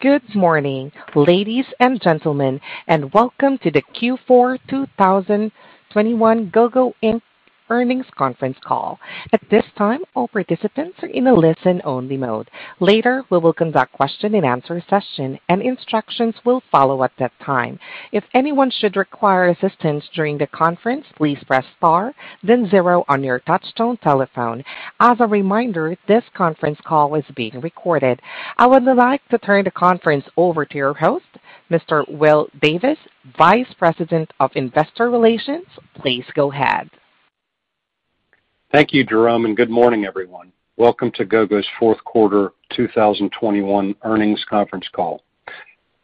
Good morning, ladies and gentlemen, and welcome to the Q4 2021 Gogo Inc. earnings conference call. At this time, all participants are in a listen-only mode. Later, we will conduct question-and-answer session, and instructions will follow at that time. If anyone should require assistance during the conference, please press star then zero on your touchtone telephone. As a reminder, this conference call is being recorded. I would now like to turn the conference over to your host, Mr. Will Davis, Vice President of Investor Relations. Please go ahead. Thank you, Jerome, and good morning, everyone. Welcome to Gogo's 4th quarter 2021 earnings conference call.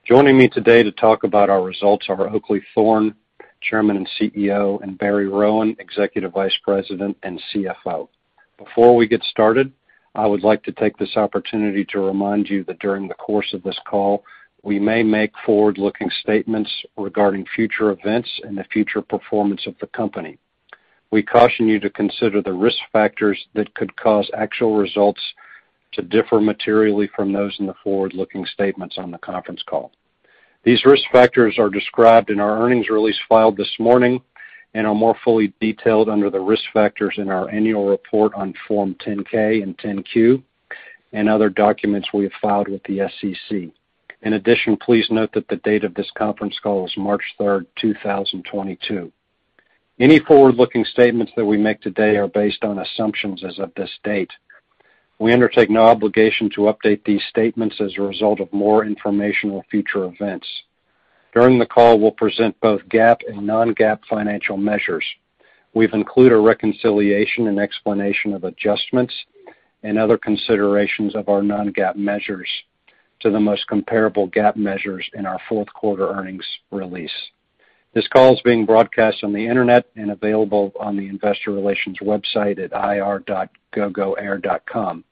Joining me today to talk about our results are Oakleigh Thorne, Chairman and CEO, and Barry Rowan, Executive Vice President and CFO. Before we get started, I would like to take this opportunity to remind you that during the course of this call, we may make forward-looking statements regarding future events and the future performance of the company. We caution you to consider the risk factors that could cause actual results to differ materially from those in the forward-looking statements on the conference call. These risk factors are described in our earnings release filed this morning and are more fully detailed under the risk factors in our annual report on form 10-K and 10-Q and other documents we have filed with the SEC. In addition, please note that the date of this conference call is March 3rd, 2022. Any forward-looking statements that we make today are based on assumptions as of this date. We undertake no obligation to update these statements as a result of more information or future events. During the call, we'll present both GAAP and non-GAAP financial measures. We've included a reconciliation and explanation of adjustments and other considerations of our non-GAAP measures to the most comparable GAAP measures in our 4th quarter earnings release. This call is being broadcast on the Internet and available on the investor relations website at ir.gogoair.com.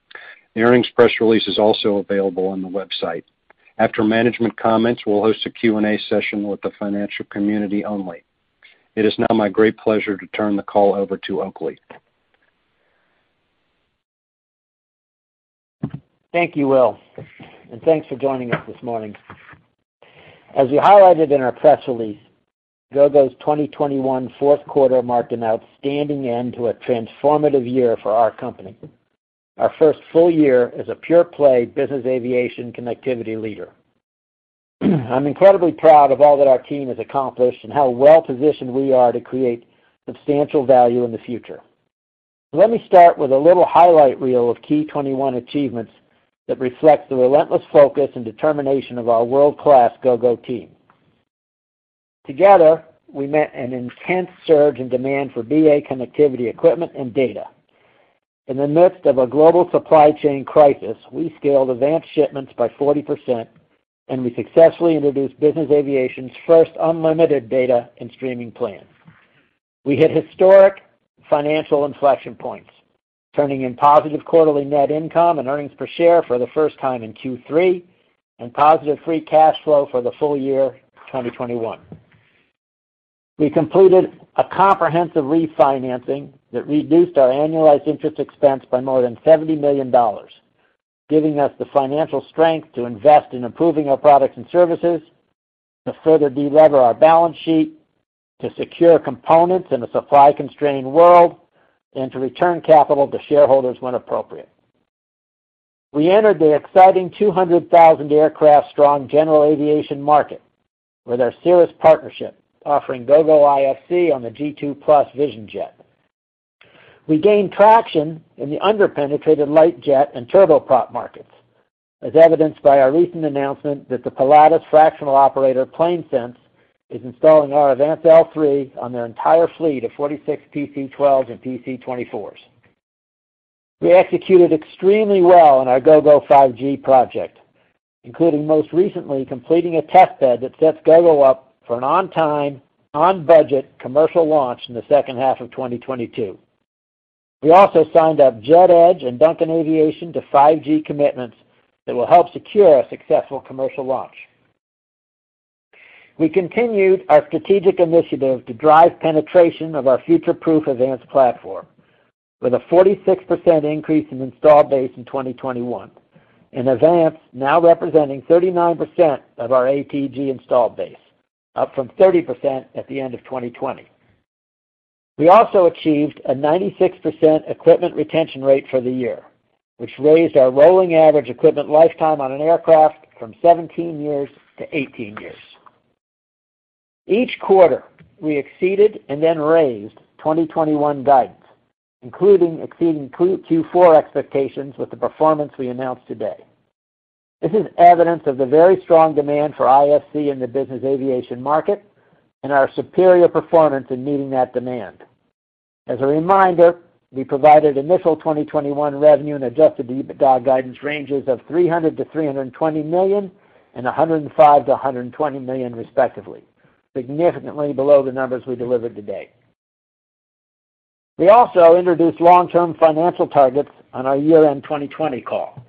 The earnings press release is also available on the website. After management comments, we'll host a Q&A session with the financial community only. It is now my great pleasure to turn the call over to Oakleigh. Thank you, Will, and thanks for joining us this morning. As we highlighted in our press release, Gogo's 2021 4th quarter marked an outstanding end to a transformative year for our company, our first full year as a pure-play business aviation connectivity leader. I'm incredibly proud of all that our team has accomplished and how well-positioned we are to create substantial value in the future. Let me start with a little highlight reel of key 2021 achievements that reflects the relentless focus and determination of our world-class Gogo team. Together, we met an intense surge in demand for BA connectivity equipment and data. In the midst of a global supply chain crisis, we scaled AVANCE shipments by 40%, and we successfully introduced business aviation's first unlimited data and streaming plan. We hit historic financial inflection points, turning in positive quarterly net income and earnings per share for the first time in Q3 and positive free cash flow for the full year 2021. We completed a comprehensive refinancing that reduced our annualized interest expense by more than $70 million, giving us the financial strength to invest in improving our products and services, to further de-lever our balance sheet, to secure components in a supply-constrained world, and to return capital to shareholders when appropriate. We entered the exciting 200,000 aircraft-strong general aviation market with our Cirrus partnership, offering Gogo IFC on the G2+ Vision Jet. We gained traction in the under-penetrated light jet and turboprop markets, as evidenced by our recent announcement that the Pilatus fractional operator, PlaneSense, is installing our AVANCE L3 on their entire fleet of 46 PC-12s and PC-24s. We executed extremely well on our Gogo 5G project, including most recently completing a test bed that sets Gogo up for an on-time, on-budget commercial launch in the 2nd half of 2022. We also signed up Jet Edge and Duncan Aviation to 5G commitments that will help secure a successful commercial launch. We continued our strategic initiative to drive penetration of our future-proof AVANCE platform with a 46% increase in installed base in 2021, and AVANCE now representing 39% of our ATG installed base, up from 30% at the end of 2020. We also achieved a 96% equipment retention rate for the year, which raised our rolling average equipment lifetime on an aircraft from 17 years to 18 years. Each quarter, we exceeded and then raised 2021 guidance, including exceeding Q4 expectations with the performance we announced today. This is evidence of the very strong demand for IFC in the business aviation market and our superior performance in meeting that demand. As a reminder, we provided initial 2021 revenue and adjusted EBITDA guidance ranges of $300 million-$320 million and $105 million-$120 million respectively, significantly below the numbers we delivered today. We also introduced long-term financial targets on our year-end 2020 call,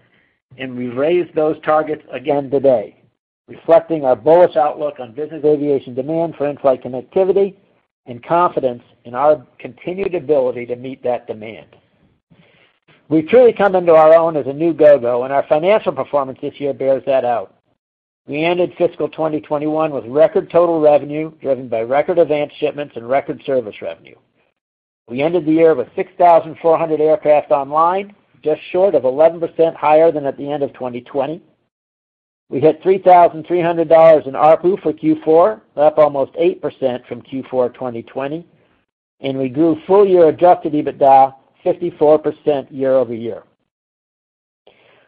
and we raised those targets again today, reflecting our bullish outlook on business aviation demand for in-flight connectivity and confidence in our continued ability to meet that demand. We've truly come into our own as a new Gogo, and our financial performance this year bears that out. We ended fiscal 2021 with record total revenue, driven by record AVANCE shipments and record service revenue. We ended the year with 6,400 aircraft online, just short of 11% higher than at the end of 2020. We hit $3,300 in ARPU for Q4, up almost 8% from Q4 2020, and we grew full-year adjusted EBITDA 54% year-over-year.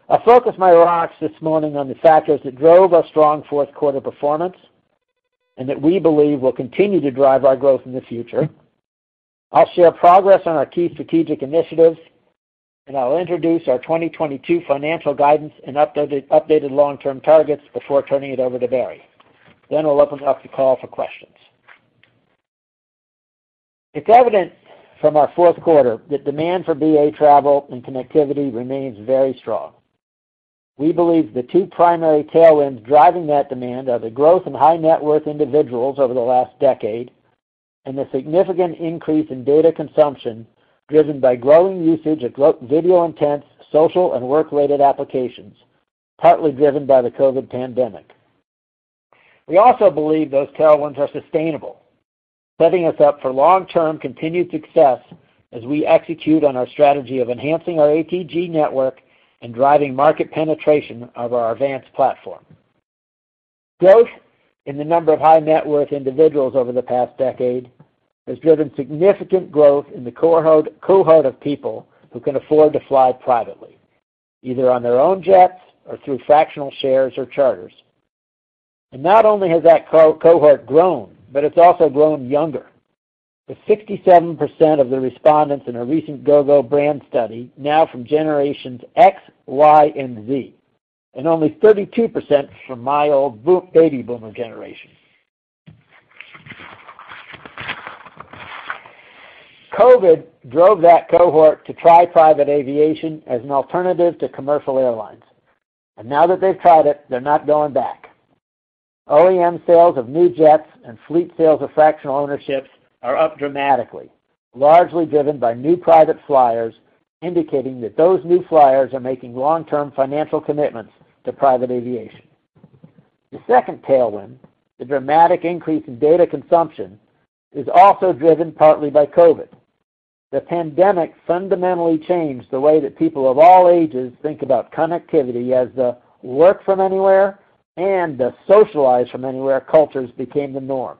I'll focus my remarks this morning on the factors that drove our strong 4th quarter performance and that we believe will continue to drive our growth in the future. I'll share progress on our key strategic initiatives, and I'll introduce our 2022 financial guidance and updated long-term targets before turning it over to Barry. Then we'll open up the call for questions. It's evident from our 4th quarter that demand for BA travel and connectivity remains very strong. We believe the two primary tailwinds driving that demand are the growth in high-net-worth individuals over the last decade and the significant increase in data consumption driven by growing usage of video-intense, social, and work-related applications, partly driven by the COVID pandemic. We also believe those tailwinds are sustainable, setting us up for long-term continued success as we execute on our strategy of enhancing our ATG network and driving market penetration of our AVANCE platform. Growth in the number of high-net-worth individuals over the past decade has driven significant growth in the cohort of people who can afford to fly privately, either on their own jets or through fractional shares or charters. Not only has that cohort grown, but it's also grown younger, with 67% of the respondents in a recent Gogo brand study now from generations X, Y, and Z, and only 32% from my old Baby Boomer generation. COVID drove that cohort to try private aviation as an alternative to commercial airlines. Now that they've tried it, they're not going back. OEM sales of new jets and fleet sales of fractional ownerships are up dramatically, largely driven by new private flyers, indicating that those new flyers are making long-term financial commitments to private aviation. The 2nd tailwind, the dramatic increase in data consumption, is also driven partly by COVID. The pandemic fundamentally changed the way that people of all ages think about connectivity as the work from anywhere and the socialize from anywhere cultures became the norm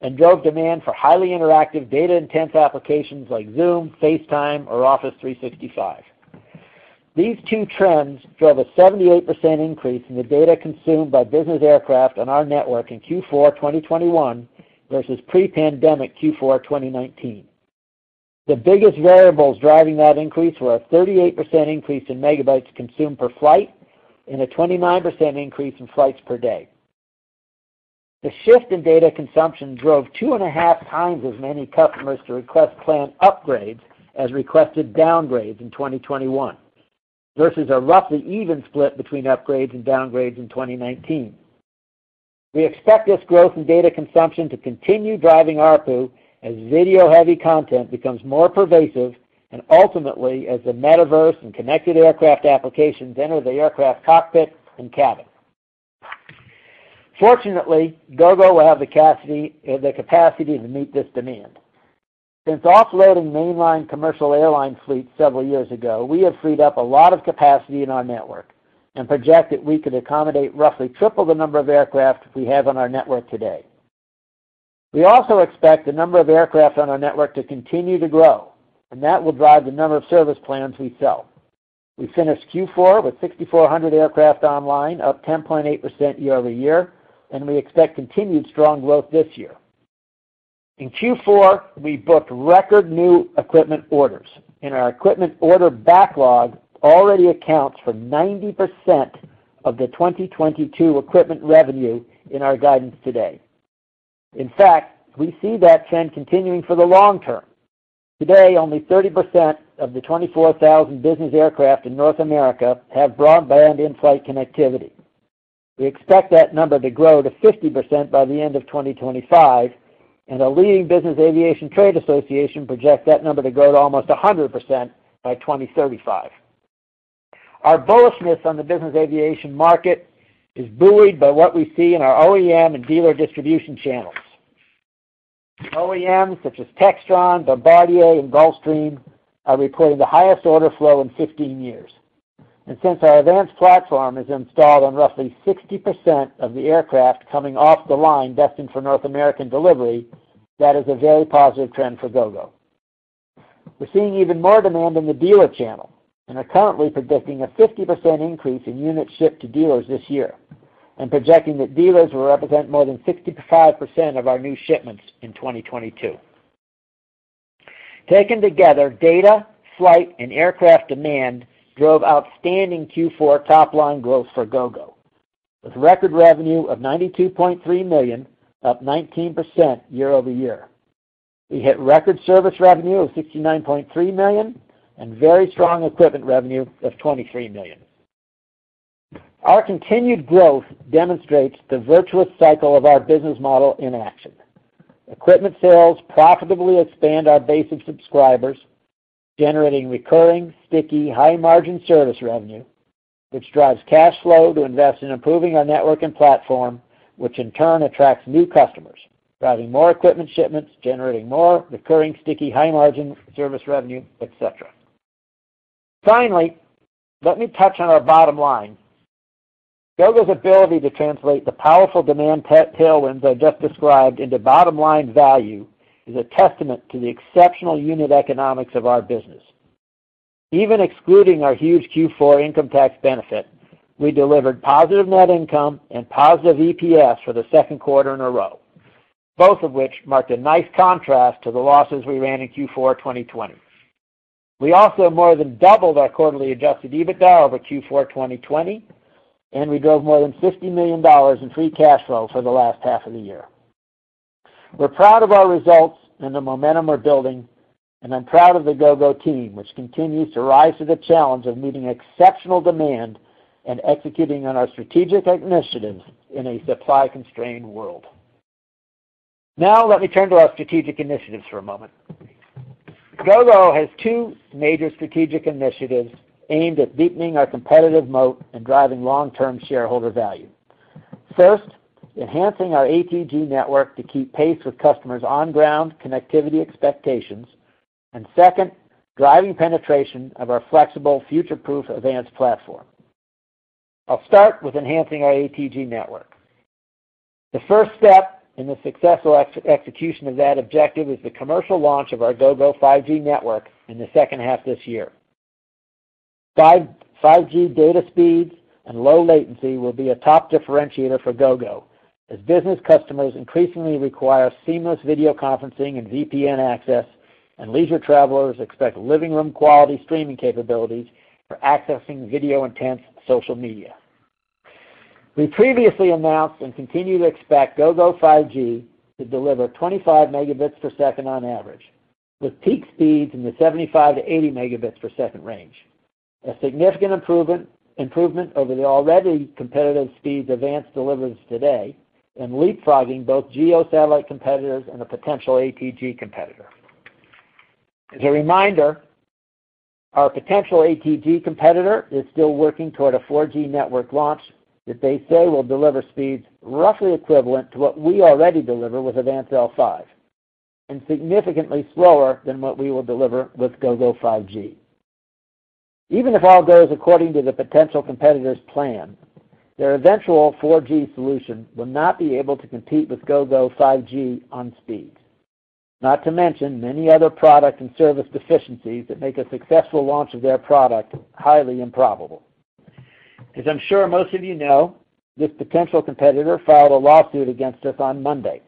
and drove demand for highly interactive, data-intense applications like Zoom, FaceTime, or Office 365. These two trends drove a 78% increase in the data consumed by business aircraft on our network in Q4 2021 versus pre-pandemic Q4 2019. The biggest variables driving that increase were a 38% increase in megabytes consumed per flight and a 29% increase in flights per day. The shift in data consumption drove 2.5 times as many customers to request plane upgrades as requested downgrades in 2021 versus a roughly even split between upgrades and downgrades in 2019. We expect this growth in data consumption to continue driving ARPU as video-heavy content becomes more pervasive and ultimately as the metaverse and connected aircraft applications enter the aircraft cockpit and cabin. Fortunately, Gogo will have the capacity to meet this demand. Since offloading mainline commercial airline fleet several years ago, we have freed up a lot of capacity in our network and project that we could accommodate roughly triple the number of aircraft we have on our network today. We also expect the number of aircraft on our network to continue to grow, and that will drive the number of service plans we sell. We finished Q4 with 6,400 aircraft online, up 10.8% year-over-year, and we expect continued strong growth this year. In Q4, we booked record new equipment orders, and our equipment order backlog already accounts for 90% of the 2022 equipment revenue in our guidance today. In fact, we see that trend continuing for the long term. Today, only 30% of the 24,000 business aircraft in North America have broadband in-flight connectivity. We expect that number to grow to 50% by the end of 2025, and a leading business aviation trade association projects that number to grow to almost 100% by 2035. Our bullishness on the business aviation market is buoyed by what we see in our OEM and dealer distribution channels. OEMs such as Textron, Bombardier, and Gulfstream are reporting the highest order flow in 15 years. Since our AVANCE platform is installed on roughly 60% of the aircraft coming off the line destined for North American delivery, that is a very positive trend for Gogo. We're seeing even more demand in the dealer channel and are currently predicting a 50% increase in units shipped to dealers this year and projecting that dealers will represent more than 65% of our new shipments in 2022. Taken together, data, flight, and aircraft demand drove outstanding Q4 top-line growth for Gogo with record revenue of $92.3 million, up 19% year-over-year. We hit record service revenue of $69.3 million and very strong equipment revenue of $23 million. Our continued growth demonstrates the virtuous cycle of our business model in action. Equipment sales profitably expand our base of subscribers, generating recurring, sticky, high-margin service revenue, which drives cash flow to invest in improving our network and platform, which in turn attracts new customers, driving more equipment shipments, generating more recurring, sticky, high-margin service revenue, et cetera. Finally, let me touch on our bottom line. Gogo's ability to translate the powerful demand tailwind I just described into bottom-line value is a testament to the exceptional unit economics of our business. Even excluding our huge Q4 income tax benefit, we delivered positive net income and positive EPS for the 2nd quarter in a row, both of which marked a nice contrast to the losses we ran in Q4 2020. We also more than doubled our quarterly adjusted EBITDA over Q4 2020, and we drove more than $50 million in free cash flow for the last half of the year. We're proud of our results and the momentum we're building, and I'm proud of the Gogo team, which continues to rise to the challenge of meeting exceptional demand and executing on our strategic initiatives in a supply-constrained world. Now, let me turn to our strategic initiatives for a moment. Gogo has two major strategic initiatives aimed at deepening our competitive moat and driving long-term shareholder value. First, enhancing our ATG network to keep pace with customers' on-ground connectivity expectations, and 2nd, driving penetration of our flexible future-proof AVANCE platform. I'll start with enhancing our ATG network. The first step in the successful execution of that objective is the commercial launch of our Gogo 5G network in the 2nd half this year. 5G data speeds and low latency will be a top differentiator for Gogo as business customers increasingly require seamless video conferencing and VPN access, and leisure travelers expect living room quality streaming capabilities for accessing video-intense social media. We previously announced and continue to expect Gogo 5G to deliver 25 Mbps on average, with peak speeds in the 75-80 Mbps range, a significant improvement over the already competitive speeds AVANCE delivers today and leapfrogging both GEO-satellite competitors and a potential ATG competitor. As a reminder, our potential ATG competitor is still working toward a 4G network launch that they say will deliver speeds roughly equivalent to what we already deliver with AVANCE L5, and significantly slower than what we will deliver with Gogo 5G. Even if all goes according to the potential competitor's plan, their eventual 4G solution will not be able to compete with Gogo 5G on speeds, not to mention many other product and service deficiencies that make a successful launch of their product highly improbable. As I'm sure most of you know, this potential competitor filed a lawsuit against us on Monday,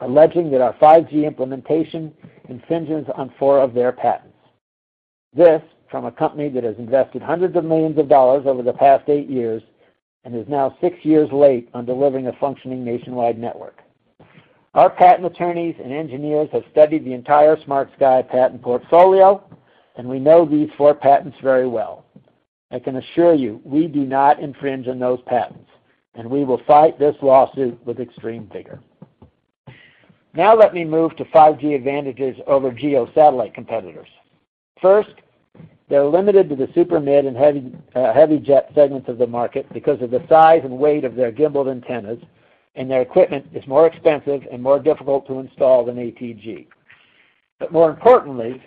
alleging that our 5G implementation infringes on four of their patents. This from a company that has invested hundreds of millions of dollars over the past eight years and is now six years late on delivering a functioning nationwide network. Our patent attorneys and engineers have studied the entire SmartSky patent portfolio, and we know these four patents very well. I can assure you, we do not infringe on those patents, and we will fight this lawsuit with extreme vigor. Now let me move to 5G advantages over geo-satellite competitors. First, they're limited to the super mid and heavy jet segments of the market because of the size and weight of their gimbaled antennas, and their equipment is more expensive and more difficult to install than ATG. But more importantly,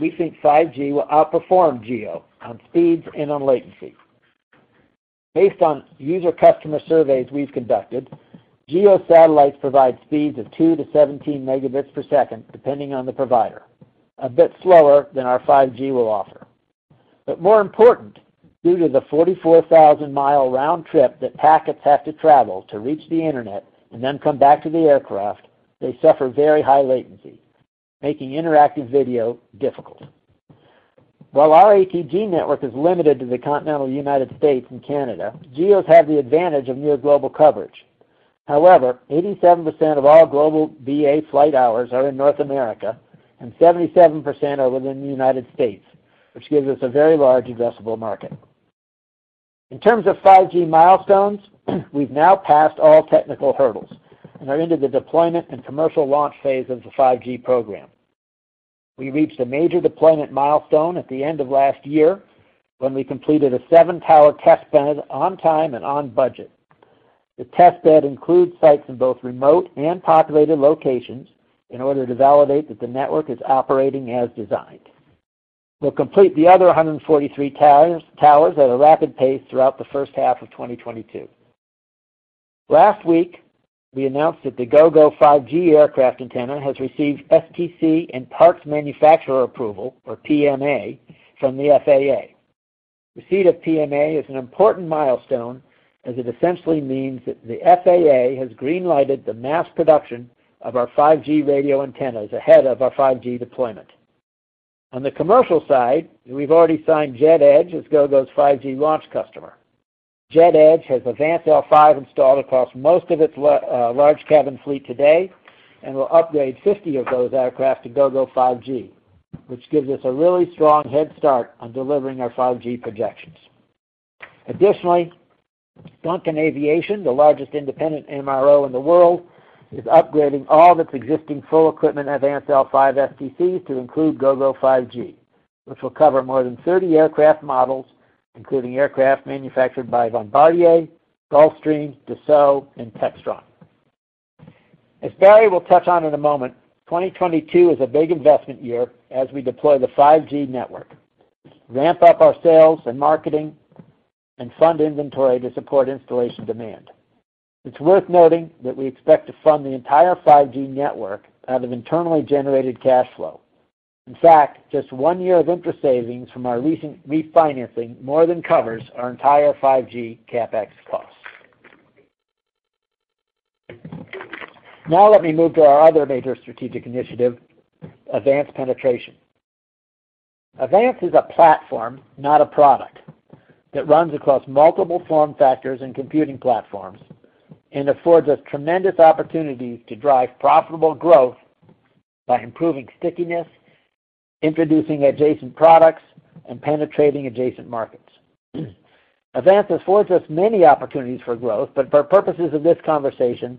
we think 5G will outperform geo on speeds and on latency. Based on user customer surveys we've conducted, geo satellites provide speeds of 2-17 Mbps, depending on the provider, a bit slower than our 5G will offer. But more important, due to the 44,000-mile round trip that packets have to travel to reach the internet and then come back to the aircraft, they suffer very high latency, making interactive video difficult. While our ATG network is limited to the continental U.S. and Canada, geos have the advantage of near global coverage. However, 87% of all global BA flight hours are in North America, and 77% are within the United States, which gives us a very large addressable market. In terms of 5G milestones, we've now passed all technical hurdles and are into the deployment and commercial launch phase of the 5G program. We reached a major deployment milestone at the end of last year when we completed a seven-tower test bed on time and on budget. The test bed includes sites in both remote and populated locations in order to validate that the network is operating as designed. We'll complete the other 143 towers at a rapid pace throughout the first half of 2022. Last week, we announced that the Gogo 5G aircraft antenna has received STC and parts manufacturer approval, or PMA, from the FAA. Receipt of PMA is an important milestone as it essentially means that the FAA has green-lighted the mass production of our 5G radio antennas ahead of our 5G deployment. On the commercial side, we've already signed Jet Edge as Gogo's 5G launch customer. Jet Edge has AVANCE L5 installed across most of its large cabin fleet today. We'll upgrade 50 of those aircraft to Gogo 5G, which gives us a really strong head start on delivering our 5G projections. Additionally, Duncan Aviation, the largest independent MRO in the world, is upgrading all of its existing full equipment AVANCE L5 STCs to include Gogo 5G, which will cover more than 30 aircraft models, including aircraft manufactured by Bombardier, Gulfstream, Dassault, and Textron. As Barry will touch on in a moment, 2022 is a big investment year as we deploy the 5G network, ramp up our sales and marketing, and fund inventory to support installation demand. It's worth noting that we expect to fund the entire 5G network out of internally generated cash flow. In fact, just one year of interest savings from our recent refinancing more than covers our entire 5G CapEx costs. Now let me move to our other major strategic initiative, AVANCE Penetration. AVANCE is a platform, not a product, that runs across multiple form factors and computing platforms and affords us tremendous opportunities to drive profitable growth by improving stickiness, introducing adjacent products, and penetrating adjacent markets. AVANCE affords us many opportunities for growth, but for purposes of this conversation,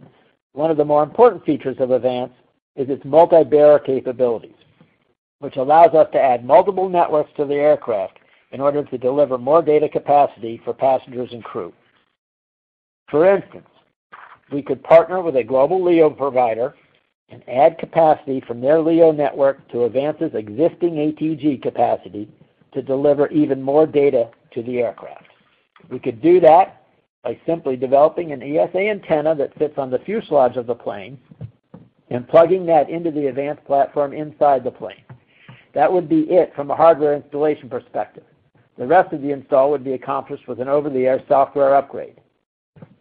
one of the more important features of AVANCE is its multi-bearer capabilities, which allows us to add multiple networks to the aircraft in order to deliver more data capacity for passengers and crew. For instance, we could partner with a global LEO provider and add capacity from their LEO network to AVANCE's existing ATG capacity to deliver even more data to the aircraft. We could do that by simply developing an ESA antenna that sits on the fuselage of the plane and plugging that into the AVANCE platform inside the plane. That would be it from a hardware installation perspective. The rest of the install would be accomplished with an over-the-air software upgrade.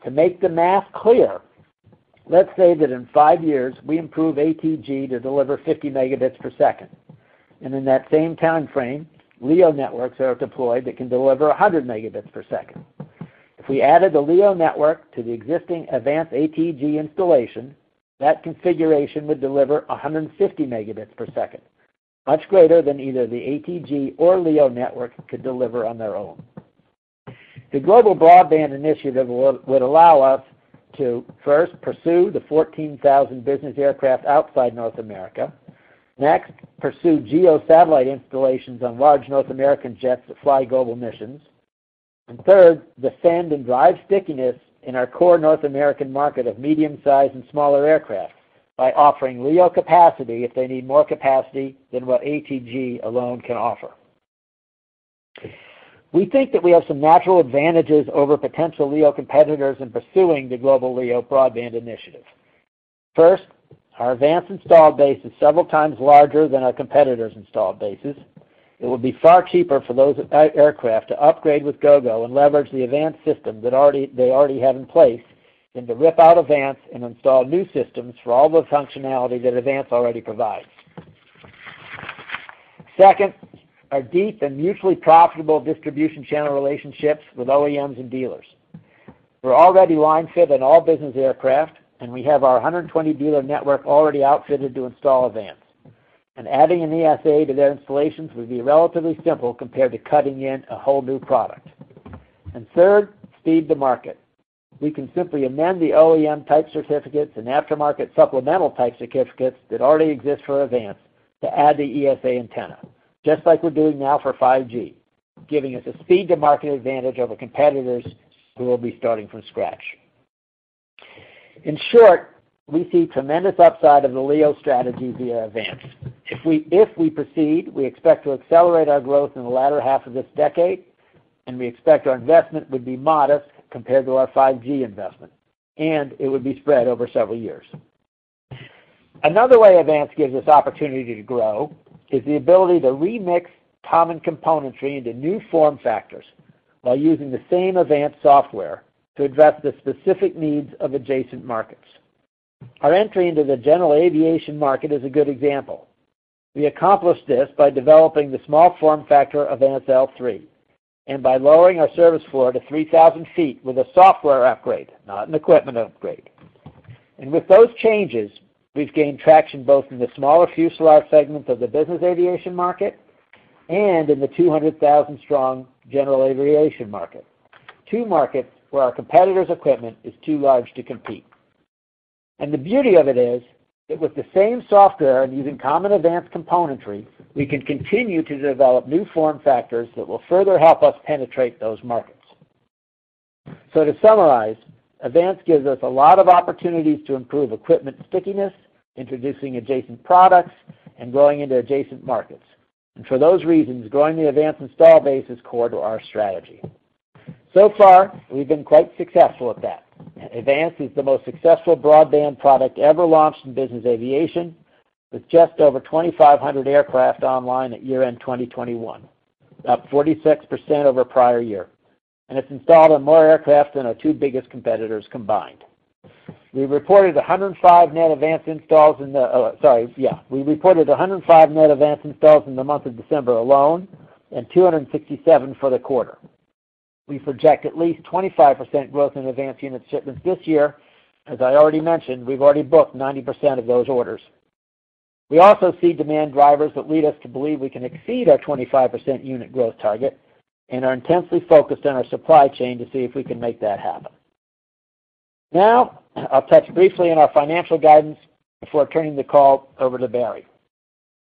To make the math clear, let's say that in five years, we improve ATG to deliver 50 Mbps, and in that same time frame, LEO networks are deployed that can deliver 100 Mbps. If we added the LEO network to the existing AVANCE ATG installation, that configuration would deliver 150 Mbps, much greater than either the ATG or LEO network could deliver on their own. The global broadband initiative would allow us to, first, pursue the 14,000 business aircraft outside North America. Next, pursue geo-satellite installations on large North American jets that fly global missions. 3rd, defend and drive stickiness in our core North American market of medium-sized and smaller aircraft by offering LEO capacity if they need more capacity than what ATG alone can offer. We think that we have some natural advantages over potential LEO competitors in pursuing the global LEO broadband initiative. First, our AVANCE installed base is several times larger than our competitors' install bases. It will be far cheaper for those aircraft to upgrade with Gogo and leverage the AVANCE system they already have in place than to rip out AVANCE and install new systems for all the functionality that AVANCE already provides. 2nd, our deep and mutually profitable distribution channel relationships with OEMs and dealers. We're already line fit in all business aircraft, and we have our 120 dealer network already outfitted to install AVANCE. Adding an ESA to their installations would be relatively simple compared to cutting in a whole new product. 3rd, speed to market. We can simply amend the OEM type certificates and aftermarket supplemental type certificates that already exist for AVANCE to add the ESA antenna, just like we're doing now for 5G, giving us a speed to market advantage over competitors who will be starting from scratch. In short, we see tremendous upside of the LEO strategy via AVANCE. If we proceed, we expect to accelerate our growth in the latter half of this decade, and we expect our investment would be modest compared to our 5G investment, and it would be spread over several years. Another way AVANCE gives us opportunity to grow is the ability to remix common componentry into new form factors while using the same AVANCE software to address the specific needs of adjacent markets. Our entry into the general aviation market is a good example. We accomplished this by developing the small form factor of AVANCE L3 and by lowering our service floor to 3,000 feet with a software upgrade, not an equipment upgrade. With those changes, we've gained traction both in the smaller fuselage segments of the business aviation market and in the 200,000-strong general aviation market. Two markets where our competitors' equipment is too large to compete. The beauty of it is that with the same software and using common AVANCE componentry, we can continue to develop new form factors that will further help us penetrate those markets. To summarize, AVANCE gives us a lot of opportunities to improve equipment stickiness, introducing adjacent products, and growing into adjacent markets. For those reasons, growing the AVANCE install base is core to our strategy. So far, we've been quite successful at that. AVANCE is the most successful broadband product ever launched in business aviation, with just over 2,500 aircraft online at year-end 2021, up 46% over prior year. It's installed on more aircraft than our two biggest competitors combined. We reported 105 net AVANCE installs in the month of December alone and 267 for the quarter. We project at least 25% growth in AVANCE unit shipments this year. As I already mentioned, we've already booked 90% of those orders. We also see demand drivers that lead us to believe we can exceed our 25% unit growth target and are intensely focused on our supply chain to see if we can make that happen. Now I'll touch briefly on our financial guidance before turning the call over to Barry,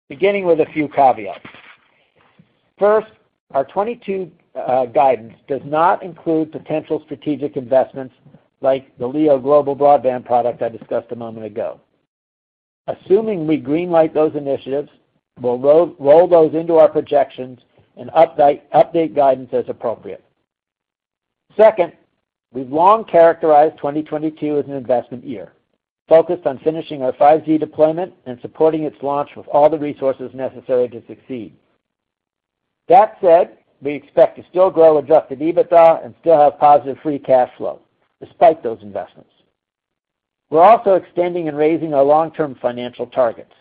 beginning with a few caveats. First, our 2022 guidance does not include potential strategic investments like the LEO global broadband product I discussed a moment ago. Assuming we green-light those initiatives, we'll roll those into our projections and update guidance as appropriate. 2nd, we've long characterized 2022 as an investment year, focused on finishing our 5G deployment and supporting its launch with all the resources necessary to succeed. That said, we expect to still grow adjusted EBITDA and still have positive free cash flow despite those investments. We're also extending and raising our long-term financial targets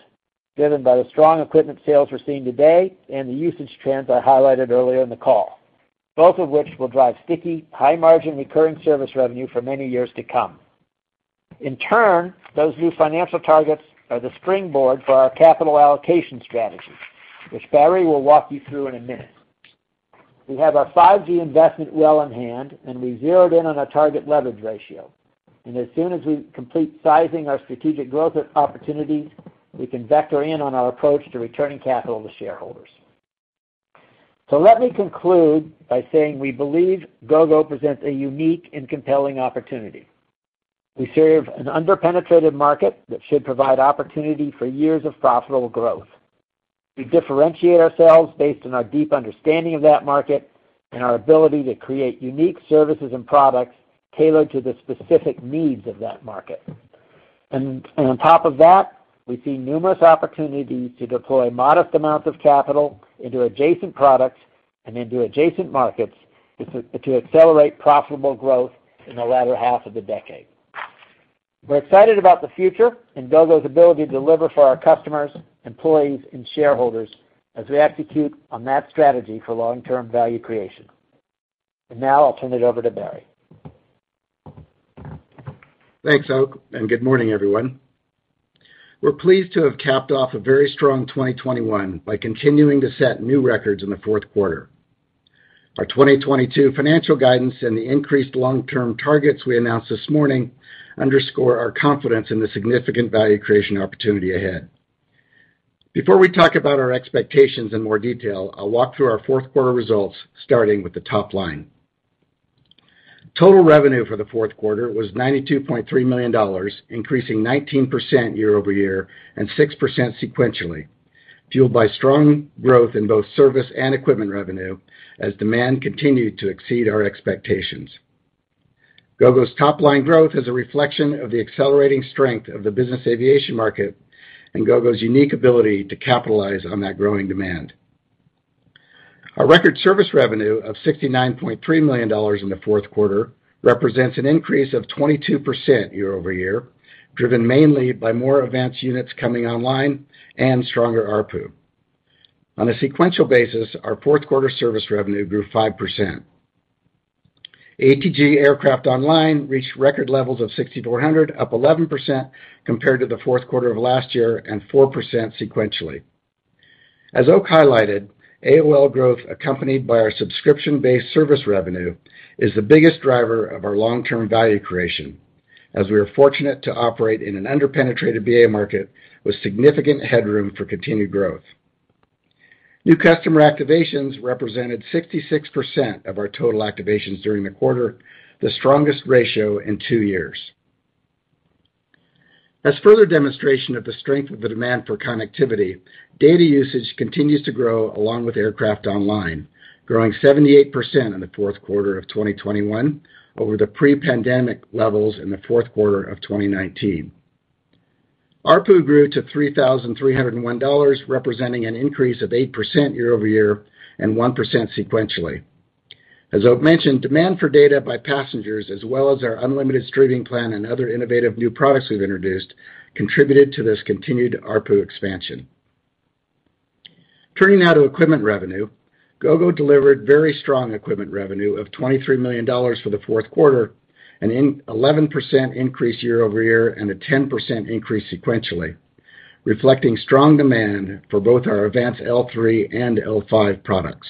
driven by the strong equipment sales we're seeing today and the usage trends I highlighted earlier in the call, both of which will drive sticky, high-margin, recurring service revenue for many years to come. In turn, those new financial targets are the springboard for our capital allocation strategy, which Barry will walk you through in a minute. We have our 5G investment well in hand, and we zeroed in on our target leverage ratio. As soon as we complete sizing our strategic growth opportunities, we can vector in on our approach to returning capital to shareholders. Let me conclude by saying we believe Gogo presents a unique and compelling opportunity. We serve an under-penetrated market that should provide opportunity for years of profitable growth. We differentiate ourselves based on our deep understanding of that market and our ability to create unique services and products tailored to the specific needs of that market. On top of that, we see numerous opportunities to deploy modest amounts of capital into adjacent products and into adjacent markets to accelerate profitable growth in the latter half of the decade. We're excited about the future and Gogo's ability to deliver for our customers, employees, and shareholders as we execute on that strategy for long-term value creation. Now I'll turn it over to Barry. Thanks, Oak, and good morning, everyone. We're pleased to have capped off a very strong 2021 by continuing to set new records in the 4th quarter. Our 2022 financial guidance and the increased long-term targets we announced this morning underscore our confidence in the significant value creation opportunity ahead. Before we talk about our expectations in more detail, I'll walk through our 4th quarter results, starting with the top line. Total revenue for the 4th quarter was $92.3 million, increasing 19% year-over-year and 6% sequentially, fueled by strong growth in both service and equipment revenue as demand continued to exceed our expectations. Gogo's top-line growth is a reflection of the accelerating strength of the business aviation market and Gogo's unique ability to capitalize on that growing demand. Our record service revenue of $69.3 million in the 4th quarter represents an increase of 22% year-over-year, driven mainly by more AVANCE units coming online and stronger ARPU. On a sequential basis, our 4th quarter service revenue grew 5%. ATG aircraft online reached record levels of 6,400, up 11% compared to the 4th quarter of last year and 4% sequentially. As Oak highlighted, AOL growth, accompanied by our subscription-based service revenue, is the biggest driver of our long-term value creation, as we are fortunate to operate in an under-penetrated BA market with significant headroom for continued growth. New customer activations represented 66% of our total activations during the quarter, the strongest ratio in two years. As further demonstration of the strength of the demand for connectivity, data usage continues to grow along with aircraft online, growing 78% in the 4th quarter of 2021 over the pre-pandemic levels in the 4th quarter of 2019. ARPU grew to $3,301, representing an increase of 8% year-over-year and 1% sequentially. As Oak mentioned, demand for data by passengers as well as our unlimited streaming plan and other innovative new products we've introduced contributed to this continued ARPU expansion. Turning now to equipment revenue. Gogo delivered very strong equipment revenue of $23 million for the 4th quarter, an 11% increase year-over-year and a 10% increase sequentially, reflecting strong demand for both our AVANCE L3 and L5 products.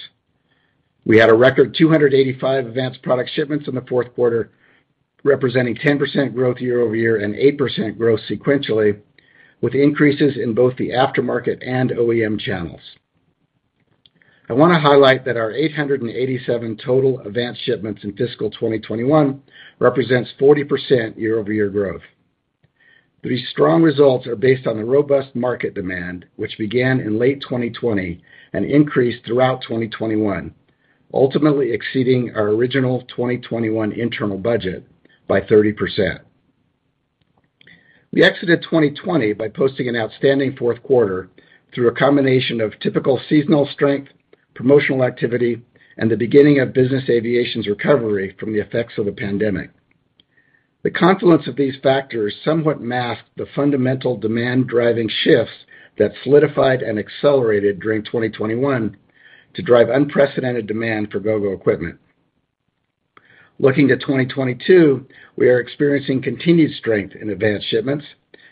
We had a record 285 AVANCE product shipments in the 4th quarter, representing 10% growth year-over-year and 8% growth sequentially, with increases in both the aftermarket and OEM channels. I wanna highlight that our 887 total AVANCE shipments in fiscal 2021 represents 40% year-over-year growth. These strong results are based on the robust market demand, which began in late 2020 and increased throughout 2021, ultimately exceeding our original 2021 internal budget by 30%. We exited 2020 by posting an outstanding 4th quarter through a combination of typical seasonal strength, promotional activity, and the beginning of business aviation's recovery from the effects of the pandemic. The confluence of these factors somewhat masked the fundamental demand-driving shifts that solidified and accelerated during 2021 to drive unprecedented demand for Gogo equipment. Looking to 2022, we are experiencing continued strength in AVANCE shipments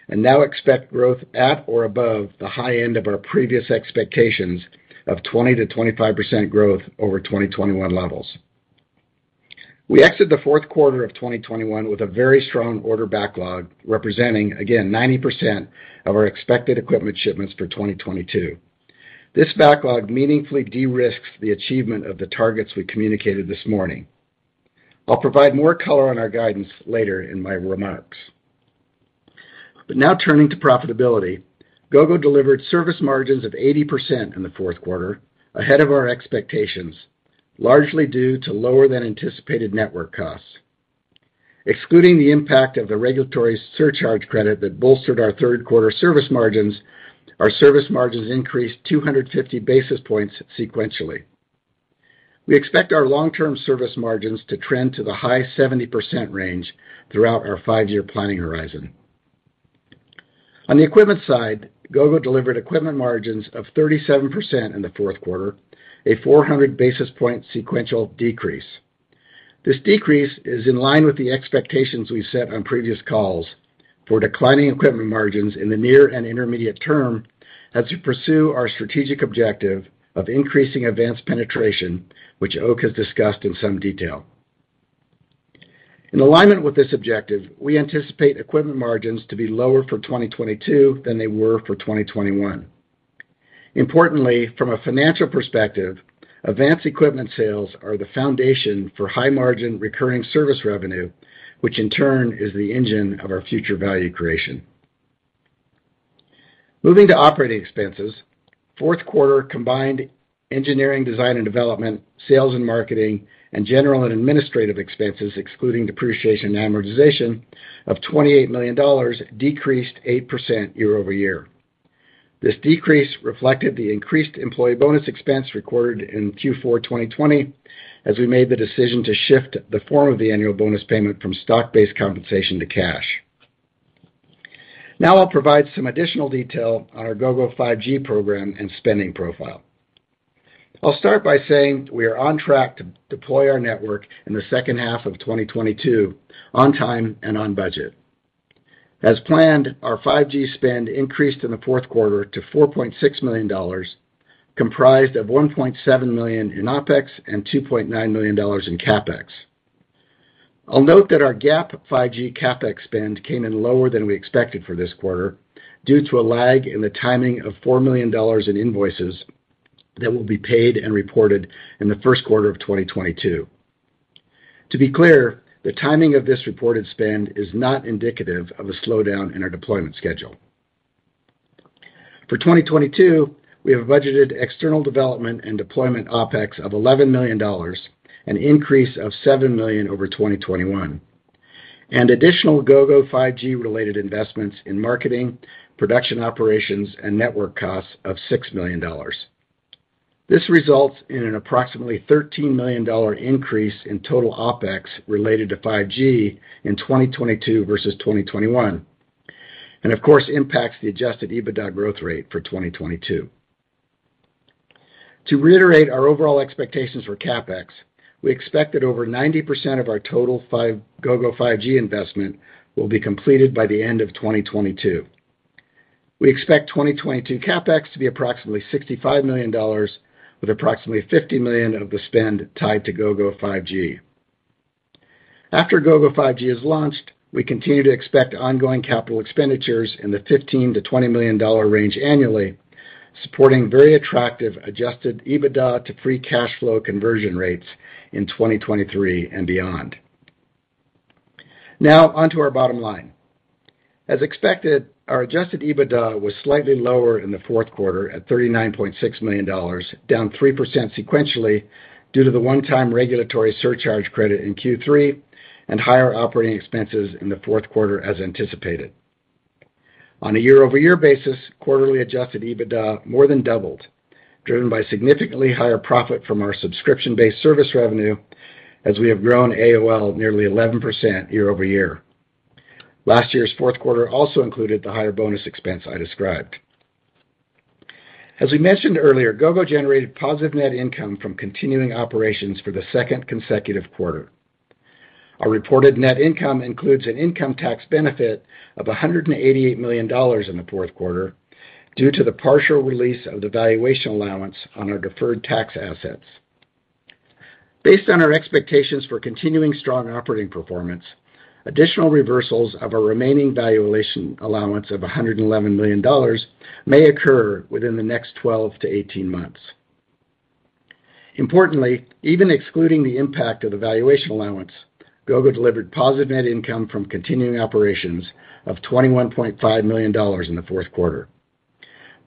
and now expect growth at or above the high end of our previous expectations of 20%-25% growth over 2021 levels. We exit the 4th quarter of 2021 with a very strong order backlog, representing again 90% of our expected equipment shipments for 2022. This backlog meaningfully de-risks the achievement of the targets we communicated this morning. I'll provide more color on our guidance later in my remarks. Now turning to profitability, Gogo delivered service margins of 80% in the 4th quarter, ahead of our expectations, largely due to lower than anticipated network costs. Excluding the impact of the regulatory surcharge credit that bolstered our 3rd quarter service margins, our service margins increased 250 basis points sequentially. We expect our long-term service margins to trend to the high 70% range throughout our five-year planning horizon. On the equipment side, Gogo delivered equipment margins of 37% in the 4th quarter, a 400 basis point sequential decrease. This decrease is in line with the expectations we set on previous calls for declining equipment margins in the near and intermediate term as we pursue our strategic objective of increasing AVANCE penetration, which Oak has discussed in some detail. In alignment with this objective, we anticipate equipment margins to be lower for 2022 than they were for 2021. Importantly, from a financial perspective, AVANCE equipment sales are the foundation for high-margin recurring service revenue, which in turn is the engine of our future value creation. Moving to operating expenses, 4th quarter combined engineering, design and development, sales and marketing, and general and administrative expenses excluding depreciation and amortization of $28 million decreased 8% year-over-year. This decrease reflected the increased employee bonus expense recorded in Q4 2020 as we made the decision to shift the form of the annual bonus payment from stock-based compensation to cash. Now I'll provide some additional detail on our Gogo 5G program and spending profile. I'll start by saying we are on track to deploy our network in the 2nd half of 2022 on time and on budget. As planned, our 5G spend increased in the 4th quarter to $4.6 million, comprised of $1.7 million in OpEx and $2.9 million in CapEx. I'll note that our GAAP 5G CapEx spend came in lower than we expected for this quarter due to a lag in the timing of $4 million in invoices that will be paid and reported in the 1st quarter of 2022. To be clear, the timing of this reported spend is not indicative of a slowdown in our deployment schedule. For 2022, we have budgeted external development and deployment OpEx of $11 million, an increase of $7 million over 2021, and additional Gogo 5G related investments in marketing, production operations, and network costs of $6 million. This results in an approximately $13 million increase in total OpEx related to 5G in 2022 versus 2021, and of course impacts the adjusted EBITDA growth rate for 2022. To reiterate our overall expectations for CapEx, we expect that over 90% of our total Gogo 5G investment will be completed by the end of 2022. We expect 2022 CapEx to be approximately $65 million, with approximately $50 million of the spend tied to Gogo 5G. After Gogo 5G is launched, we continue to expect ongoing capital expenditures in the $15 million-$20 million range annually, supporting very attractive adjusted EBITDA to free cash flow conversion rates in 2023 and beyond. Now on to our bottom line. As expected, our adjusted EBITDA was slightly lower in the 4th quarter at $39.6 million, down 3% sequentially due to the one-time regulatory surcharge credit in Q3 and higher operating expenses in the 4th quarter as anticipated. On a year-over-year basis, quarterly adjusted EBITDA more than doubled, driven by significantly higher profit from our subscription-based service revenue as we have grown AOL nearly 11% year-over-year. Last year's 4th quarter also included the higher bonus expense I described. As we mentioned earlier, Gogo generated positive net income from continuing operations for the second consecutive quarter. Our reported net income includes an income tax benefit of $188 million in the 4th quarter due to the partial release of the valuation allowance on our deferred tax assets. Based on our expectations for continuing strong operating performance, additional reversals of a remaining valuation allowance of $111 million may occur within the next 12 to 18 months. Importantly, even excluding the impact of the valuation allowance, Gogo delivered positive net income from continuing operations of $21.5 million in the 4th quarter.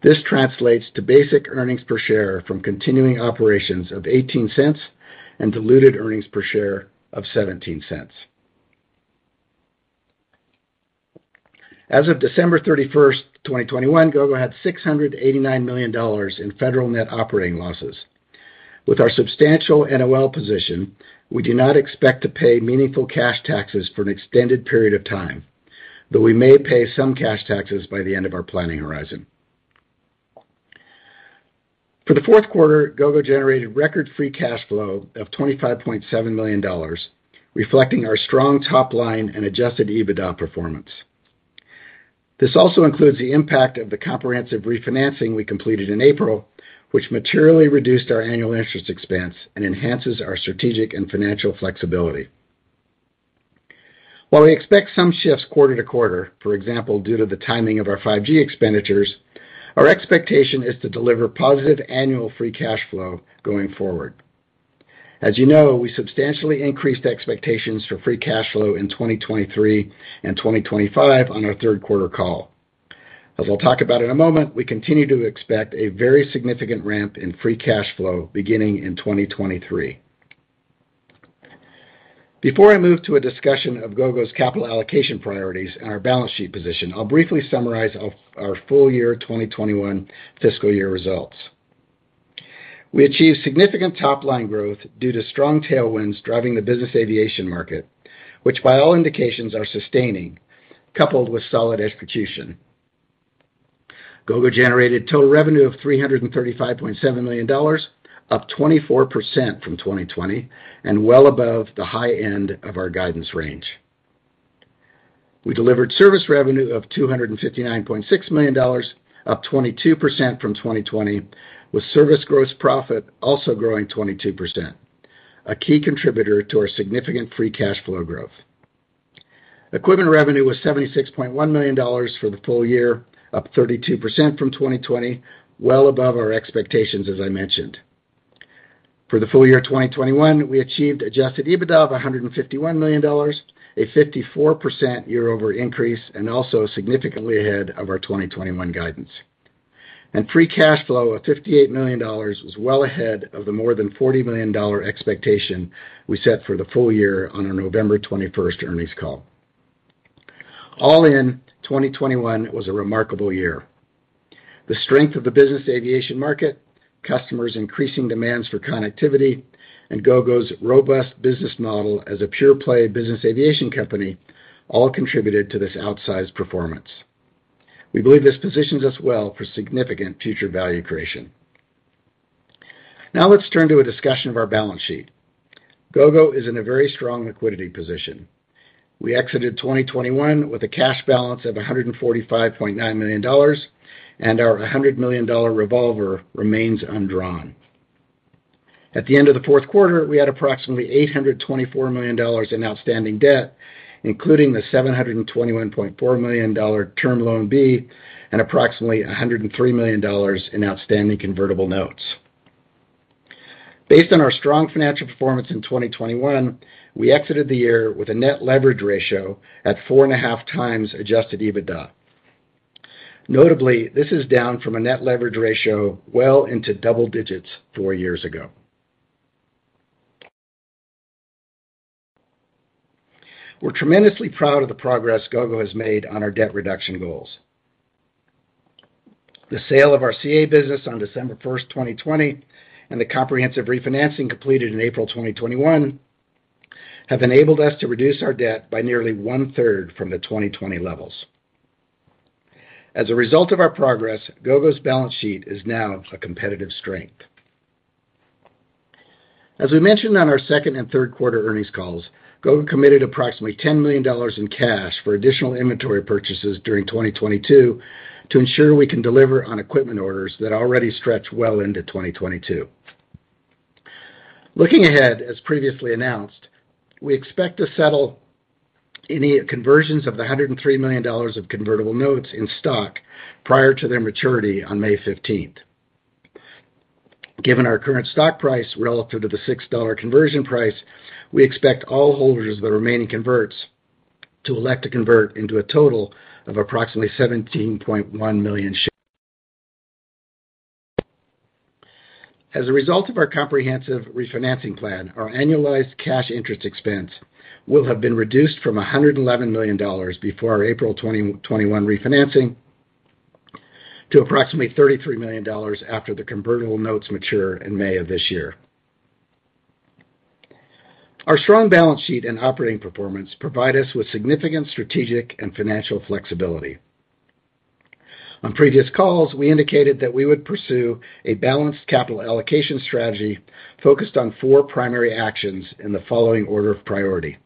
This translates to basic earnings per share from continuing operations of $0.18 and diluted earnings per share of $0.17. As of December 31st, 2021, Gogo had $689 million in federal net operating losses. With our substantial NOL position, we do not expect to pay meaningful cash taxes for an extended period of time, though we may pay some cash taxes by the end of our planning horizon. For the 4th quarter, Gogo generated record free cash flow of $25.7 million, reflecting our strong top line and adjusted EBITDA performance. This also includes the impact of the comprehensive refinancing we completed in April, which materially reduced our annual interest expense and enhances our strategic and financial flexibility. While we expect some shifts quarter to quarter, for example, due to the timing of our 5G expenditures, our expectation is to deliver positive annual free cash flow going forward. As you know, we substantially increased expectations for free cash flow in 2023 and 2025 on our 3rd quarter call. As I'll talk about in a moment, we continue to expect a very significant ramp in free cash flow beginning in 2023. Before I move to a discussion of Gogo's capital allocation priorities and our balance sheet position, I'll briefly summarize our full year 2021 fiscal year results. We achieved significant top line growth due to strong tailwinds driving the business aviation market, which by all indications are sustaining, coupled with solid execution. Gogo generated total revenue of $335.7 million, up 24% from 2020, and well above the high end of our guidance range. We delivered service revenue of $259.6 million, up 22% from 2020, with service gross profit also growing 22%, a key contributor to our significant free cash flow growth. Equipment revenue was $76.1 million for the full year, up 32% from 2020, well above our expectations, as I mentioned. For the full year 2021, we achieved adjusted EBITDA of $151 million, a 54% year-over-year increase, and also significantly ahead of our 2021 guidance. Free cash flow of $58 million was well ahead of the more than $40 million expectation we set for the full year on our November 21st earnings call. All in, 2021 was a remarkable year. The strength of the business aviation market, customers increasing demands for connectivity, and Gogo's robust business model as a pure play business aviation company all contributed to this outsized performance. We believe this positions us well for significant future value creation. Now let's turn to a discussion of our balance sheet. Gogo is in a very strong liquidity position. We exited 2021 with a cash balance of $145.9 million, and our $100 million revolver remains undrawn. At the end of the 4th quarter, we had approximately $824 million in outstanding debt, including the $721.4 million term loan B, and approximately $103 million in outstanding convertible notes. Based on our strong financial performance in 2021, we exited the year with a net leverage ratio at 4.5 times adjusted EBITDA. Notably, this is down from a net leverage ratio well into double digits four years ago. We're tremendously proud of the progress Gogo has made on our debt reduction goals. The sale of our CA business on December 1, 2020, and the comprehensive refinancing completed in April 2021, have enabled us to reduce our debt by nearly one-3rd from the 2020 levels. As a result of our progress, Gogo's balance sheet is now a competitive strength. As we mentioned on our 2nd and 3rd quarter earnings calls, Gogo committed approximately $10 million in cash for additional inventory purchases during 2022 to ensure we can deliver on equipment orders that already stretch well into 2022. Looking ahead, as previously announced, we expect to settle any conversions of the $103 million of convertible notes in stock prior to their maturity on May 15. Given our current stock price relative to the $6 conversion price, we expect all holders of the remaining converts to elect to convert into a total of approximately 17.1 million shares. As a result of our comprehensive refinancing plan, our annualized cash interest expense will have been reduced from $111 million before our April 2021 refinancing to approximately $33 million after the convertible notes mature in May of this year. Our strong balance sheet and operating performance provide us with significant strategic and financial flexibility. On previous calls, we indicated that we would pursue a balanced capital allocation strategy focused on four primary actions in the following order of priority.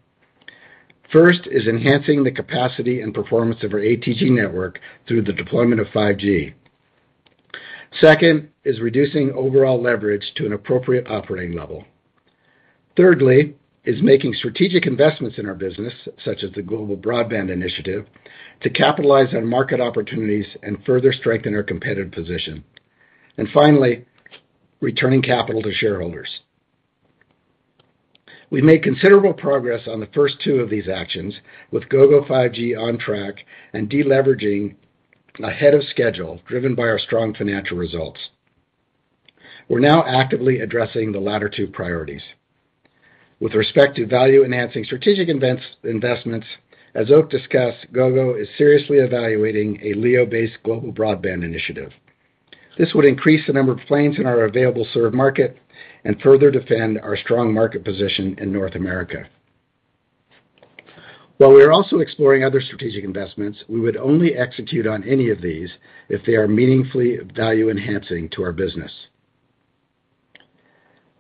First is enhancing the capacity and performance of our ATG network through the deployment of 5G. Second is reducing overall leverage to an appropriate operating level. Thirdly is making strategic investments in our business, such as the global broadband initiative, to capitalize on market opportunities and further strengthen our competitive position. Finally, returning capital to shareholders. We made considerable progress on the first two of these actions with Gogo 5G on track and deleveraging ahead of schedule, driven by our strong financial results. We're now actively addressing the latter two priorities. With respect to value-enhancing strategic investments, as Oak discussed, Gogo is seriously evaluating a LEO-based global broadband initiative. This would increase the number of planes in our available served market and further defend our strong market position in North America. While we are also exploring other strategic investments, we would only execute on any of these if they are meaningfully value-enhancing to our business.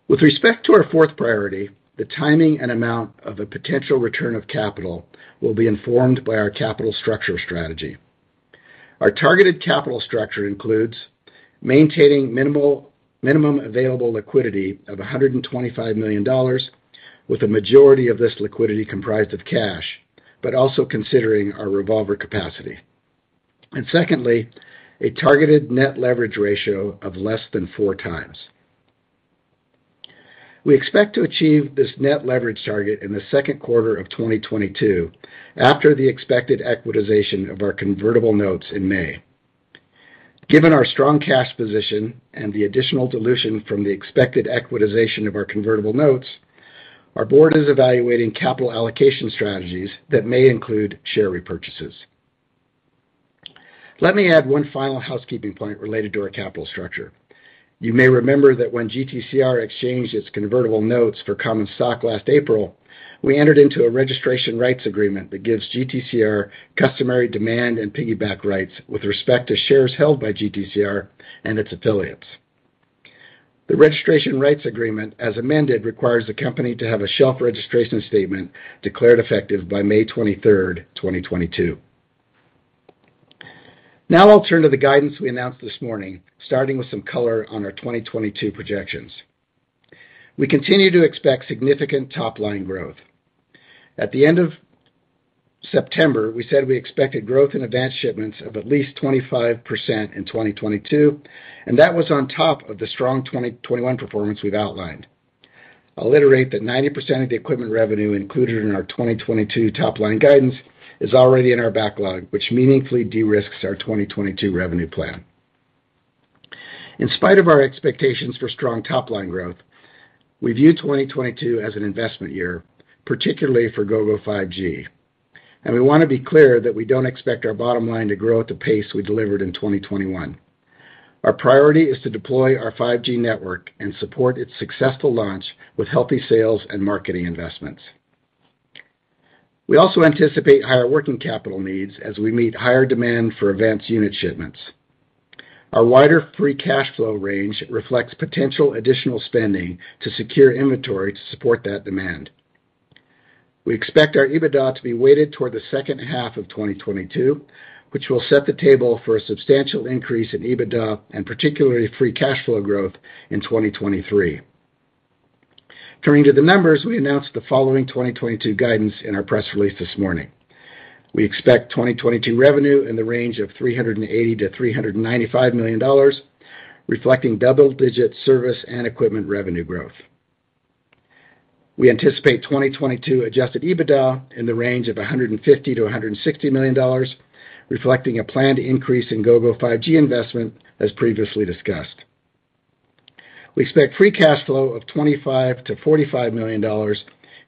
With respect to our fourth priority, the timing and amount of a potential return of capital will be informed by our capital structure strategy. Our targeted capital structure includes maintaining minimum available liquidity of $125 million, with the majority of this liquidity comprised of cash, but also considering our revolver capacity. Secondly, a targeted net leverage ratio of less than 4x. We expect to achieve this net leverage target in the 2nd quarter of 2022 after the expected equitization of our convertible notes in May. Given our strong cash position and the additional dilution from the expected equitization of our convertible notes, our board is evaluating capital allocation strategies that may include share repurchases. Let me add one final housekeeping point related to our capital structure. You may remember that when GTCR exchanged its convertible notes for common stock last April, we entered into a registration rights agreement that gives GTCR customary demand and piggyback rights with respect to shares held by GTCR and its affiliates. The registration rights agreement, as amended, requires the company to have a shelf registration statement declared effective by May 23, 2022. Now I'll turn to the guidance we announced this morning, starting with some color on our 2022 projections. We continue to expect significant top-line growth. At the end of September, we said we expected growth in AVANCE shipments of at least 25% in 2022, and that was on top of the strong 2021 performance we've outlined. I'll iterate that 90% of the equipment revenue included in our 2022 top-line guidance is already in our backlog, which meaningfully de-risks our 2022 revenue plan. In spite of our expectations for strong top-line growth, we view 2022 as an investment year, particularly for Gogo 5G, and we wanna be clear that we don't expect our bottom line to grow at the pace we delivered in 2021. Our priority is to deploy our 5G network and support its successful launch with healthy sales and marketing investments. We also anticipate higher working capital needs as we meet higher demand for AVANCE unit shipments. Our wider free cash flow range reflects potential additional spending to secure inventory to support that demand. We expect our EBITDA to be weighted toward the 2nd half of 2022, which will set the table for a substantial increase in EBITDA, and particularly free cash flow growth in 2023. Turning to the numbers, we announced the following 2022 guidance in our press release this morning. We expect 2022 revenue in the range of $380 million-$395 million, reflecting double-digit service and equipment revenue growth. We anticipate 2022 adjusted EBITDA in the range of $150 million-$160 million, reflecting a planned increase in Gogo 5G investment, as previously discussed. We expect free cash flow of $25 million-$45 million,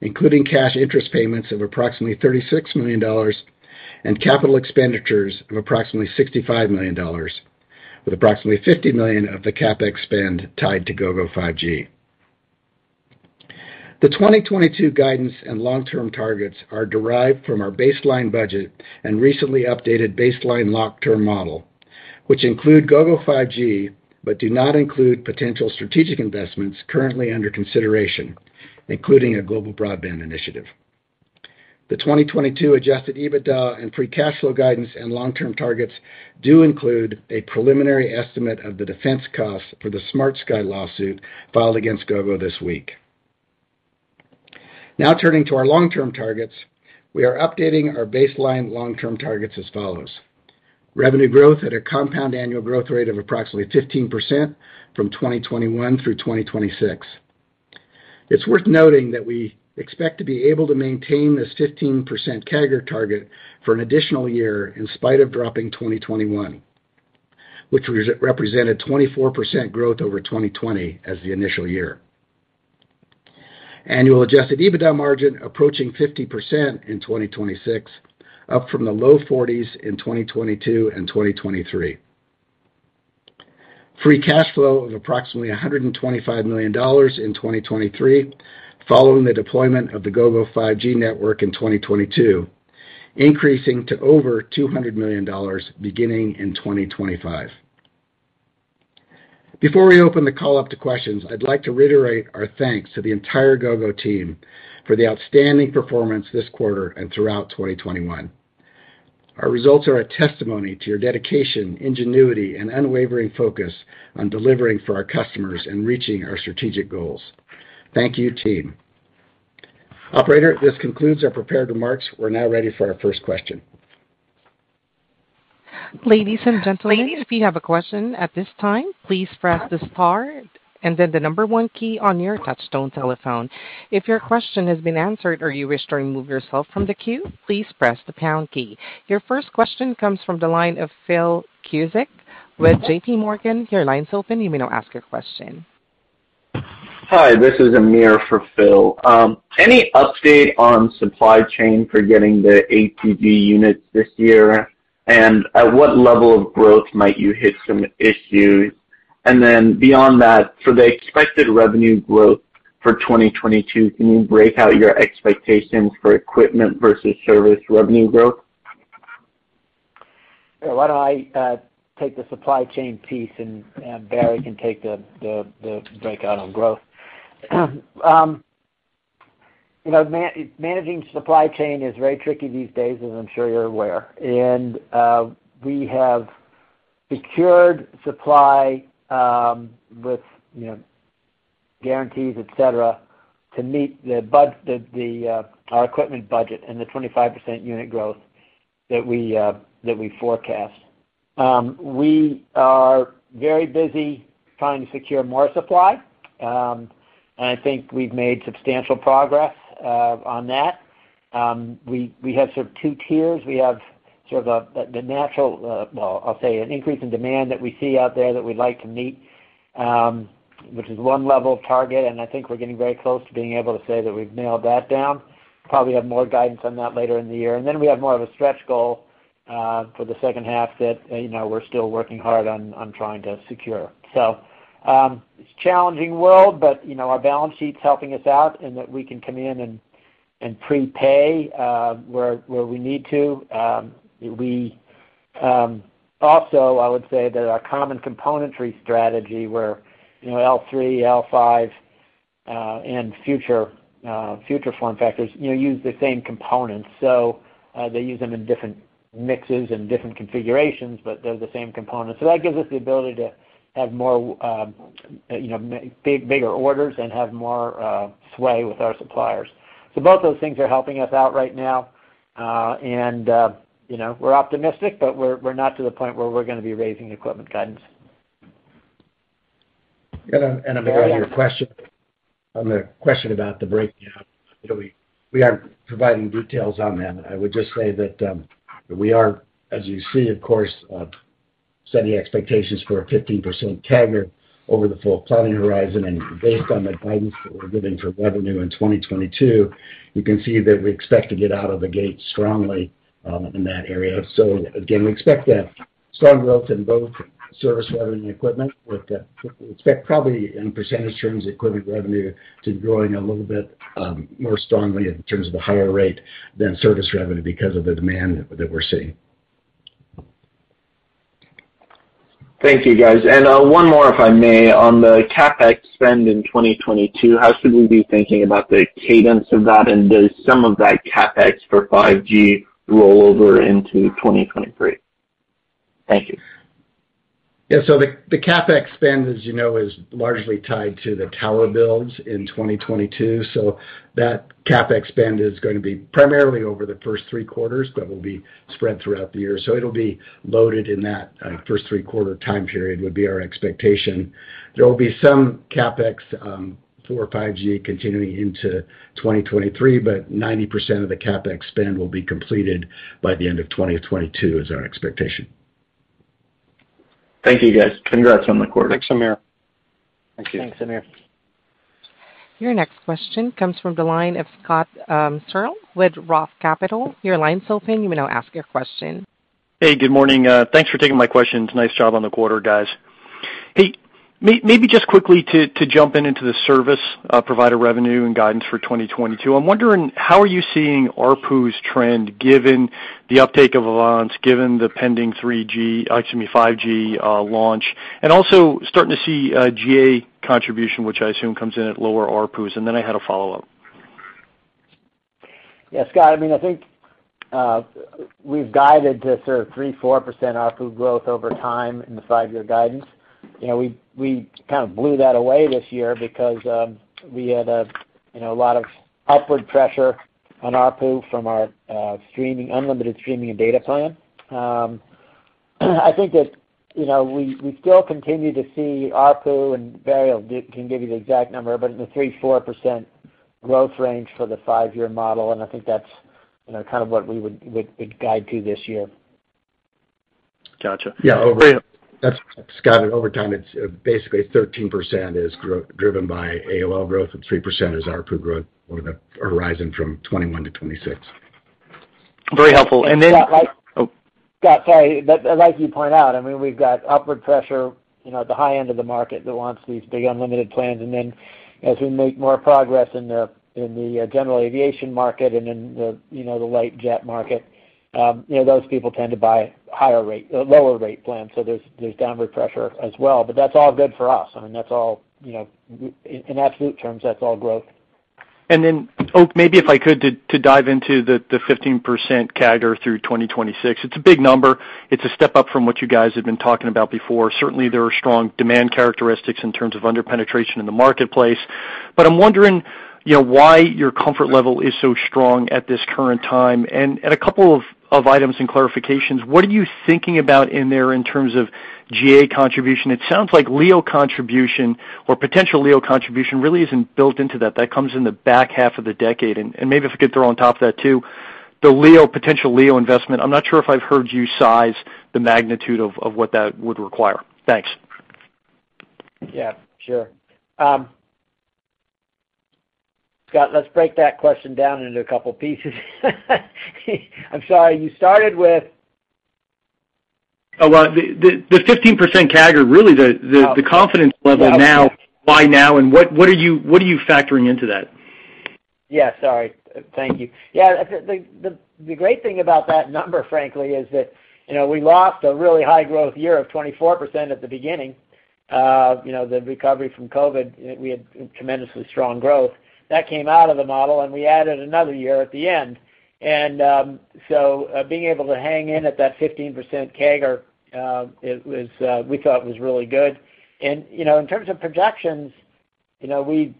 including cash interest payments of approximately $36 million and capital expenditures of approximately $65 million, with approximately $50 million of the CapEx spend tied to Gogo 5G. The 2022 guidance and long-term targets are derived from our baseline budget and recently updated baseline long-term model, which include Gogo 5G but do not include potential strategic investments currently under consideration, including a global broadband initiative. The 2022 adjusted EBITDA and free cash flow guidance and long-term targets do include a preliminary estimate of the defense cost for the SmartSky Networks lawsuit filed against Gogo this week. Now turning to our long-term targets. We are updating our baseline long-term targets as follows. Revenue growth at a compound annual growth rate of approximately 15% from 2021 through 2026. It's worth noting that we expect to be able to maintain this 15% CAGR target for an additional year in spite of dropping 2021, which represented 24% growth over 2020 as the initial year. Annual adjusted EBITDA margin approaching 50% in 2026, up from the low 40s in 2022 and 2023. Free cash flow of approximately $125 million in 2023, following the deployment of the Gogo 5G network in 2022, increasing to over $200 million beginning in 2025. Before we open the call up to questions, I'd like to reiterate our thanks to the entire Gogo team for the outstanding performance this quarter and throughout 2021. Our results are a testimony to your dedication, ingenuity, and unwavering focus on delivering for our customers and reaching our strategic goals. Thank you, team. Operator, this concludes our prepared remarks. We're now ready for our first question. Ladies and gentlemen, if you have a question at this time, please press the star and then the number one key on your touch-tone telephone. If your question has been answered or you wish to remove yourself from the queue, please press the pound key. Your first question comes from the line of Phil Cusick with JPMorgan. Your line is open. You may now ask your question. Hi, this is Amir for Phil. Any update on supply chain for getting the ATG units this year? At what level of growth might you hit some issues? Beyond that, for the expected revenue growth for 2022, can you break out your expectations for equipment versus service revenue growth? Why don't I take the supply chain piece, and Barry can take the breakout on growth. You know, managing supply chain is very tricky these days, as I'm sure you're aware. We have secured supply with you know, guarantees, et cetera, to meet our equipment budget and the 25% unit growth that we forecast. We are very busy trying to secure more supply, and I think we've made substantial progress on that. We have sort of two tiers. We have sort of the natural well, I'll say an increase in demand that we see out there that we'd like to meet, which is one level of target, and I think we're getting very close to being able to say that we've nailed that down. Probably have more guidance on that later in the year. Then we have more of a stretch goal for the second half that, you know, we're still working hard on trying to secure. It's challenging world, but, you know, our balance sheet's helping us out in that we can come in and prepay where we need to. We also, I would say that our common componentry strategy, where, you know, L3, L5 and future form factors, you know, use the same components. They use them in different mixes and different configurations, but they're the same components. That gives us the ability to have more, you know, bigger orders and have more sway with our suppliers. Both those things are helping us out right now. You know, we're optimistic, but we're not to the point where we're gonna be raising equipment guidance. Amir, on your question about the breakdown, you know, we aren't providing details on that. I would just say that, we are, as you see, of course, setting expectations for a 15% CAGR over the full planning horizon. Based on the guidance that we're giving for revenue in 2022, you can see that we expect to get out of the gate strongly, in that area. Again, we expect to have strong growth in both service revenue and equipment, with expect probably in percentage terms, equipment revenue to growing a little bit, more strongly in terms of the higher rate than service revenue because of the demand that we're seeing. Thank you, guys. One more, if I may. On the CapEx spend in 2022, how should we be thinking about the cadence of that? Does some of that CapEx for 5G roll over into 2023? Thank you. Yeah. The CapEx spend, as you know, is largely tied to the tower builds in 2022. That CapEx spend is going to be primarily over the first three quarters, but will be spread throughout the year. It'll be loaded in that first three-quarter time period, would be our expectation. There will be some CapEx for 5G continuing into 2023, but 90% of the CapEx spend will be completed by the end of 2022 is our expectation. Thank you, guys. Congrats on the quarter. Thanks, Amir. Thank you. Thanks, Amir. Your next question comes from the line of Scott Searle with Roth Capital. Your line's open. You may now ask your question. Hey, good morning. Thanks for taking my questions. Nice job on the quarter, guys. Hey, maybe just quickly to jump into the service provider revenue and guidance for 2022. I'm wondering, how are you seeing ARPU trend given the uptake of AVANCE, given the pending 5G launch? Also starting to see GA contribution, which I assume comes in at lower ARPUs. Then I had a follow-up. Yeah, Scott, I mean, I think we've guided to sort of 3%-4% ARPU growth over time in the five-year guidance. You know, we kind of blew that away this year because we had a you know a lot of upward pressure on ARPU from our streaming, unlimited streaming and data plan. I think that you know we still continue to see ARPU, and Barry can give you the exact number, but in the 3%-4% growth range for the five-year model, and I think that's you know kind of what we would guide to this year. Gotcha. Yeah. Great. That's, Scott, over time, it's basically 13% driven by AOL growth, and 3% is ARPU growth over the horizon from 2021-2026. Very helpful. Scott, like Oh. Scott, sorry. As like you point out, I mean, we've got upward pressure, you know, at the high end of the market that wants these big unlimited plans. Then as we make more progress in the general aviation market and in the, you know, the light jet market, you know, those people tend to buy lower rate plans, so there's downward pressure as well. That's all good for us. I mean, that's all, you know, in absolute terms, that's all growth. Then, oh, maybe if I could to dive into the 15% CAGR through 2026. It's a big number. It's a step up from what you guys have been talking about before. Certainly, there are strong demand characteristics in terms of under-penetration in the marketplace. But I'm wondering, you know, why your comfort level is so strong at this current time. A couple of items and clarifications. What are you thinking about in there in terms of GA contribution? It sounds like LEO contribution or potential LEO contribution really isn't built into that. That comes in the back half of the decade. Maybe if I could throw on top of that, too. The LEO, potential LEO investment. I'm not sure if I've heard you size the magnitude of what that would require. Thanks. Yeah, sure. Scott, let's break that question down into a couple pieces. I'm sorry, you started with? Oh, well, the 15% CAGR, really the Oh. The confidence level now, by now, and what are you factoring into that? Yeah, sorry. Thank you. Yeah, the great thing about that number, frankly, is that, you know, we lost a really high growth year of 24% at the beginning. You know, the recovery from COVID, we had tremendously strong growth. That came out of the model, and we added another year at the end. Being able to hang in at that 15% CAGR, we thought it was really good. You know, in terms of projections, you know, we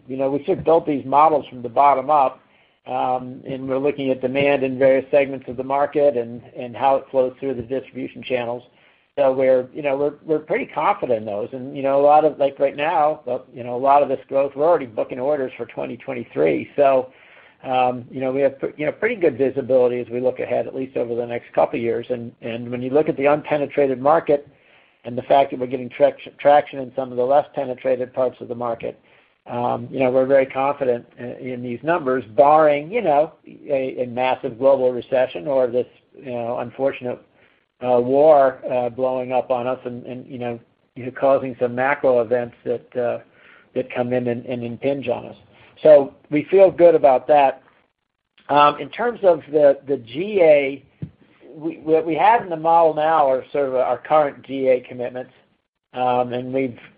sort of built these models from the bottom up, and we're looking at demand in various segments of the market and how it flows through the distribution channels. You know, we're pretty confident in those. You know, a lot of like right now, you know, a lot of this growth, we're already booking orders for 2023. You know, we have you know, pretty good visibility as we look ahead at least over the next couple of years. When you look at the unpenetrated market and the fact that we're getting traction in some of the less penetrated parts of the market, you know, we're very confident in these numbers barring you know, a massive global recession or this you know, unfortunate war blowing up on us and you know, causing some macro events that come in and impinge on us. We feel good about that. In terms of the GA, what we have in the model now are sort of our current GA commitments.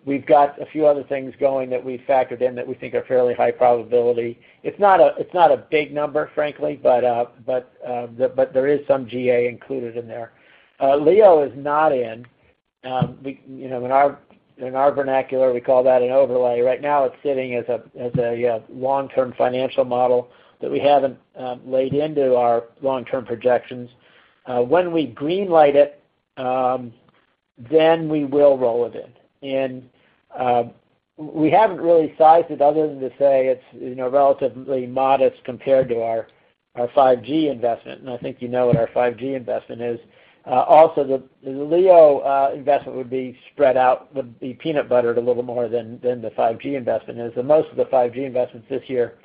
We've got a few other things going that we've factored in that we think are fairly high probability. It's not a big number, frankly, but there is some GA included in there. LEO is not in. You know, in our vernacular, we call that an overlay. Right now it's sitting as a long-term financial model that we haven't laid into our long-term projections. When we greenlight it, then we will roll it in. We haven't really sized it other than to say it's, you know, relatively modest compared to our 5G investment, and I think you know what our 5G investment is. Also, the LEO investment would be spread out, would be peanut buttered a little more than the 5G investment is. Most of the 5G investments this year,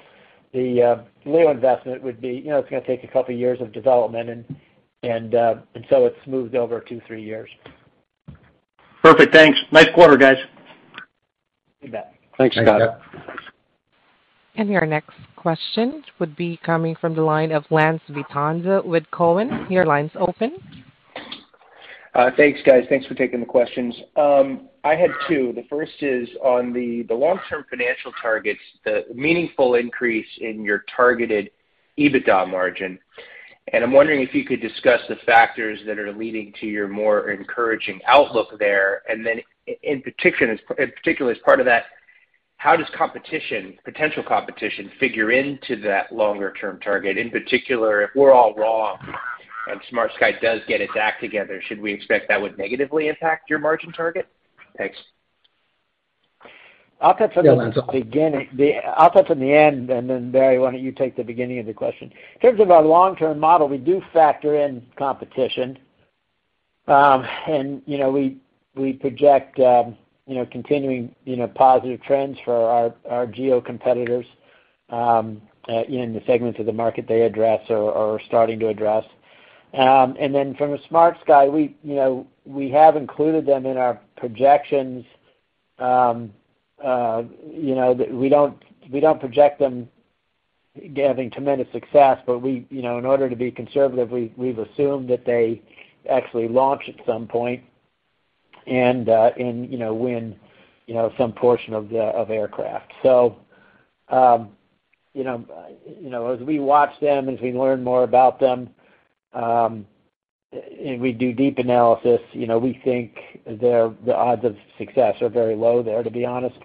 the LEO investment would be, you know, it's gonna take a couple of years of development and so it's moved over two, three years. Perfect. Thanks. Nice quarter, guys. You bet. Thanks, Scott. Thanks. Your next question would be coming from the line of Lance Vitanza with Cowen. Your line's open. Thanks, guys. Thanks for taking the questions. I had two. The first is on the long-term financial targets, the meaningful increase in your targeted EBITDA margin. I'm wondering if you could discuss the factors that are leading to your more encouraging outlook there. In particular, as part of that, how does competition, potential competition figure into that longer-term target? In particular, if we're all wrong and SmartSky Networks does get its act together, should we expect that would negatively impact your margin target? Thanks. I'll touch on the beginning. I'll touch on the end, and then, Barry, why don't you take the beginning of the question. In terms of our long-term model, we do factor in competition. You know, we project continuing positive trends for our GEO competitors in the segments of the market they address or are starting to address. From a SmartSky Networks, you know, we have included them in our projections. You know, we don't project them having tremendous success, but you know, in order to be conservative, we've assumed that they actually launch at some point and you know, win some portion of the aircraft. You know, as we watch them, as we learn more about them, and we do deep analysis, you know, we think the odds of success are very low there, to be honest.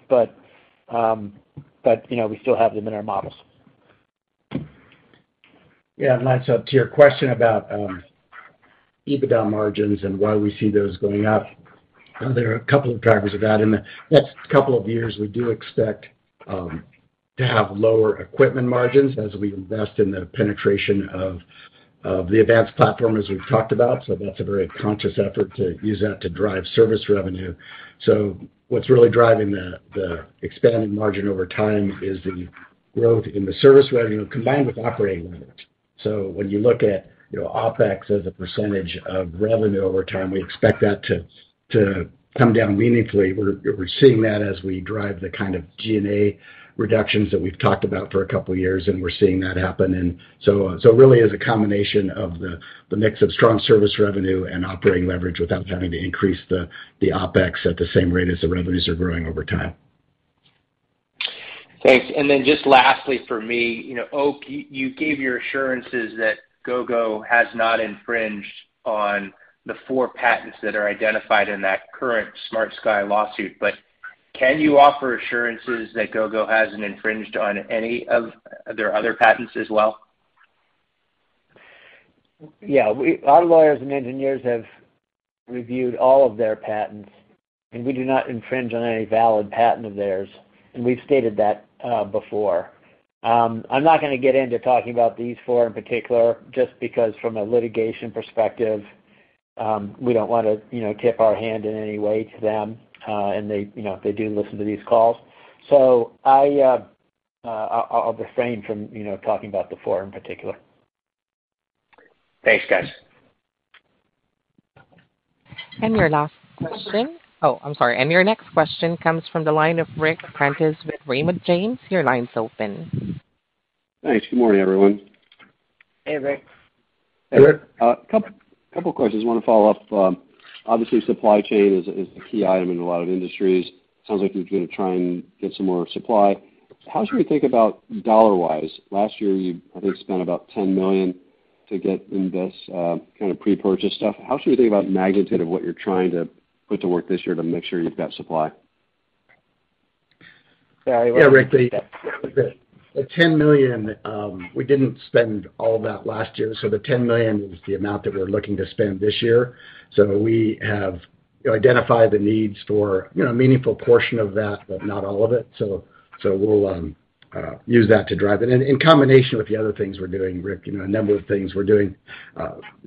you know, we still have them in our models. Yeah. Lance, to your question about EBITDA margins and why we see those going up, there are a couple of drivers of that. In the next couple of years, we do expect to have lower equipment margins as we invest in the penetration of the AVANCE platform, as we've talked about. That's a very conscious effort to use that to drive service revenue. What's really driving the expanding margin over time is the growth in the service revenue combined with operating leverage. When you look at, you know, OpEx as a percentage of revenue over time, we expect that to come down meaningfully. We're seeing that as we drive the kind of G&A reductions that we've talked about for a couple of years, and we're seeing that happen. Really is a combination of the mix of strong service revenue and operating leverage without having to increase the OpEx at the same rate as the revenues are growing over time. Thanks. Just lastly for me, you know, Oak, you gave your assurances that Gogo has not infringed on the four patents that are identified in that current SmartSky Networks lawsuit. Can you offer assurances that Gogo hasn't infringed on any of their other patents as well? Yeah. Our lawyers and engineers have reviewed all of their patents, and we do not infringe on any valid patent of theirs, and we've stated that before. I'm not gonna get into talking about these four in particular, just because from a litigation perspective, we don't wanna, you know, tip our hand in any way to them, and they, you know, they do listen to these calls. I'll refrain from, you know, talking about the four in particular. Thanks, guys. Your last question. Oh, I'm sorry. Your next question comes from the line of Ric Prentiss with Raymond James. Your line's open. Thanks. Good morning, everyone. Hey, Ric. A couple of questions I wanna follow up. Obviously, supply chain is the key item in a lot of industries. Sounds like you're gonna try and get some more supply. How should we think about dollar-wise? Last year, you, I think, spent about $10 million to get in this kinda pre-purchase stuff. How should we think about magnitude of what you're trying to put to work this year to make sure you've got supply? Yeah, I wouldn't. Yeah, Rick, the $10 million we didn't spend all that last year. The $10 million is the amount that we're looking to spend this year. We have identified the needs for, you know, a meaningful portion of that, but not all of it. We'll use that to drive it. In combination with the other things we're doing, Rick, you know, a number of things we're doing,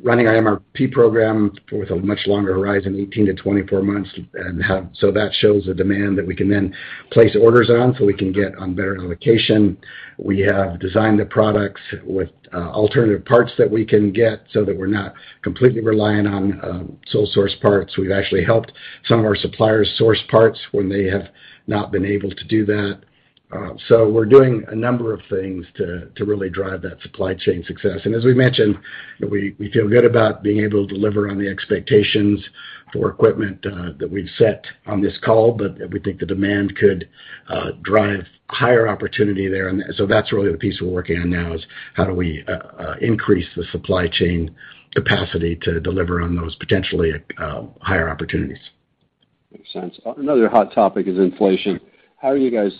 running our MRP program with a much longer horizon, 18-24 months, and have. That shows the demand that we can then place orders on, so we can get on better allocation. We have designed the products with alternative parts that we can get so that we're not completely reliant on sole source parts. We've actually helped some of our suppliers source parts when they have not been able to do that. We're doing a number of things to really drive that supply chain success. As we mentioned, we feel good about being able to deliver on the expectations for equipment that we've set on this call, but we think the demand could drive higher opportunity there. That's really the piece we're working on now is how do we increase the supply chain capacity to deliver on those potentially higher opportunities. Makes sense. Another hot topic is inflation. How are you guys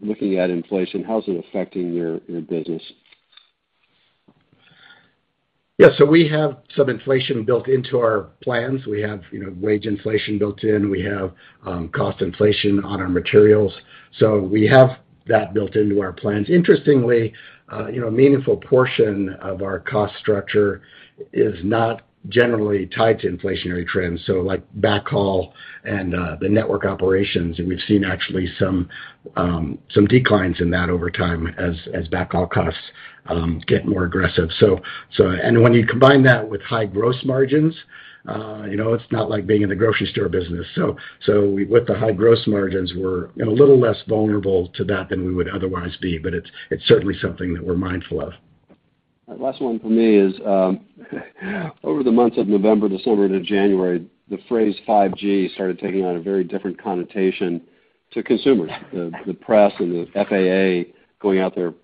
looking at inflation? How is it affecting your business? Yeah. We have some inflation built into our plans. We have, you know, wage inflation built in. We have cost inflation on our materials. We have that built into our plans. Interestingly, you know, a meaningful portion of our cost structure is not generally tied to inflationary trends. Like backhaul and the network operations, and we've seen actually some declines in that over time as backhaul costs get more aggressive. When you combine that with high gross margins, you know, it's not like being in the grocery store business. With the high gross margins, we're, you know, a little less vulnerable to that than we would otherwise be, but it's certainly something that we're mindful of. Last one for me is over the months of November, December to January, the phrase 5G started taking on a very different connotation to consumers. The press and the FAA going out there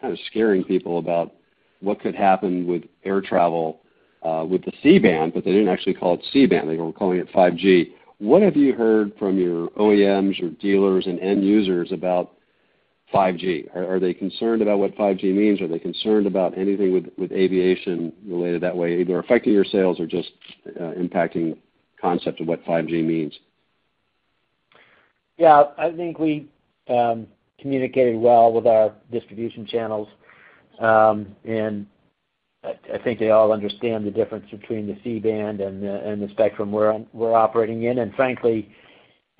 kind of scaring people about what could happen with air travel with the C-band, but they didn't actually call it C-band. They were calling it 5G. What have you heard from your OEMs or dealers and end users about 5G? Are they concerned about what 5G means? Are they concerned about anything with aviation related that way, either affecting your sales or just impacting concept of what 5G means? Yeah. I think we communicated well with our distribution channels. I think they all understand the difference between the C-band and the spectrum we're operating in, and frankly,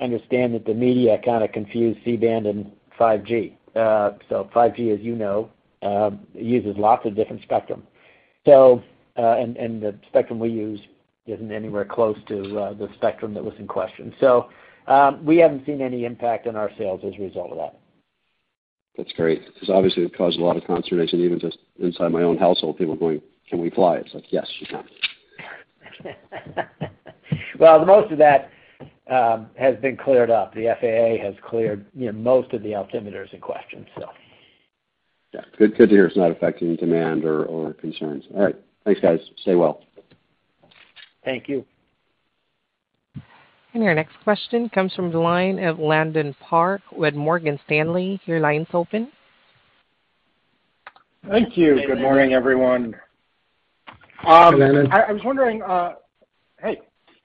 understand that the media kinda confused C-band and 5G. 5G, as you know, uses lots of different spectrum. The spectrum we use isn't anywhere close to the spectrum that was in question. We haven't seen any impact on our sales as a result of that. That's great 'cause obviously it caused a lot of concern. I said even just inside my own household, people are going, "Can we fly?" It's like, "Yes, you can. Well, most of that has been cleared up. The FAA has cleared, you know, most of the altimeters in question, so. Yeah. Good to hear it's not affecting demand or concerns. All right. Thanks, guys. Stay well. Thank you. Your next question comes from the line of Landon Park with Morgan Stanley. Your line's open. Thank you. Good morning, everyone. Hey,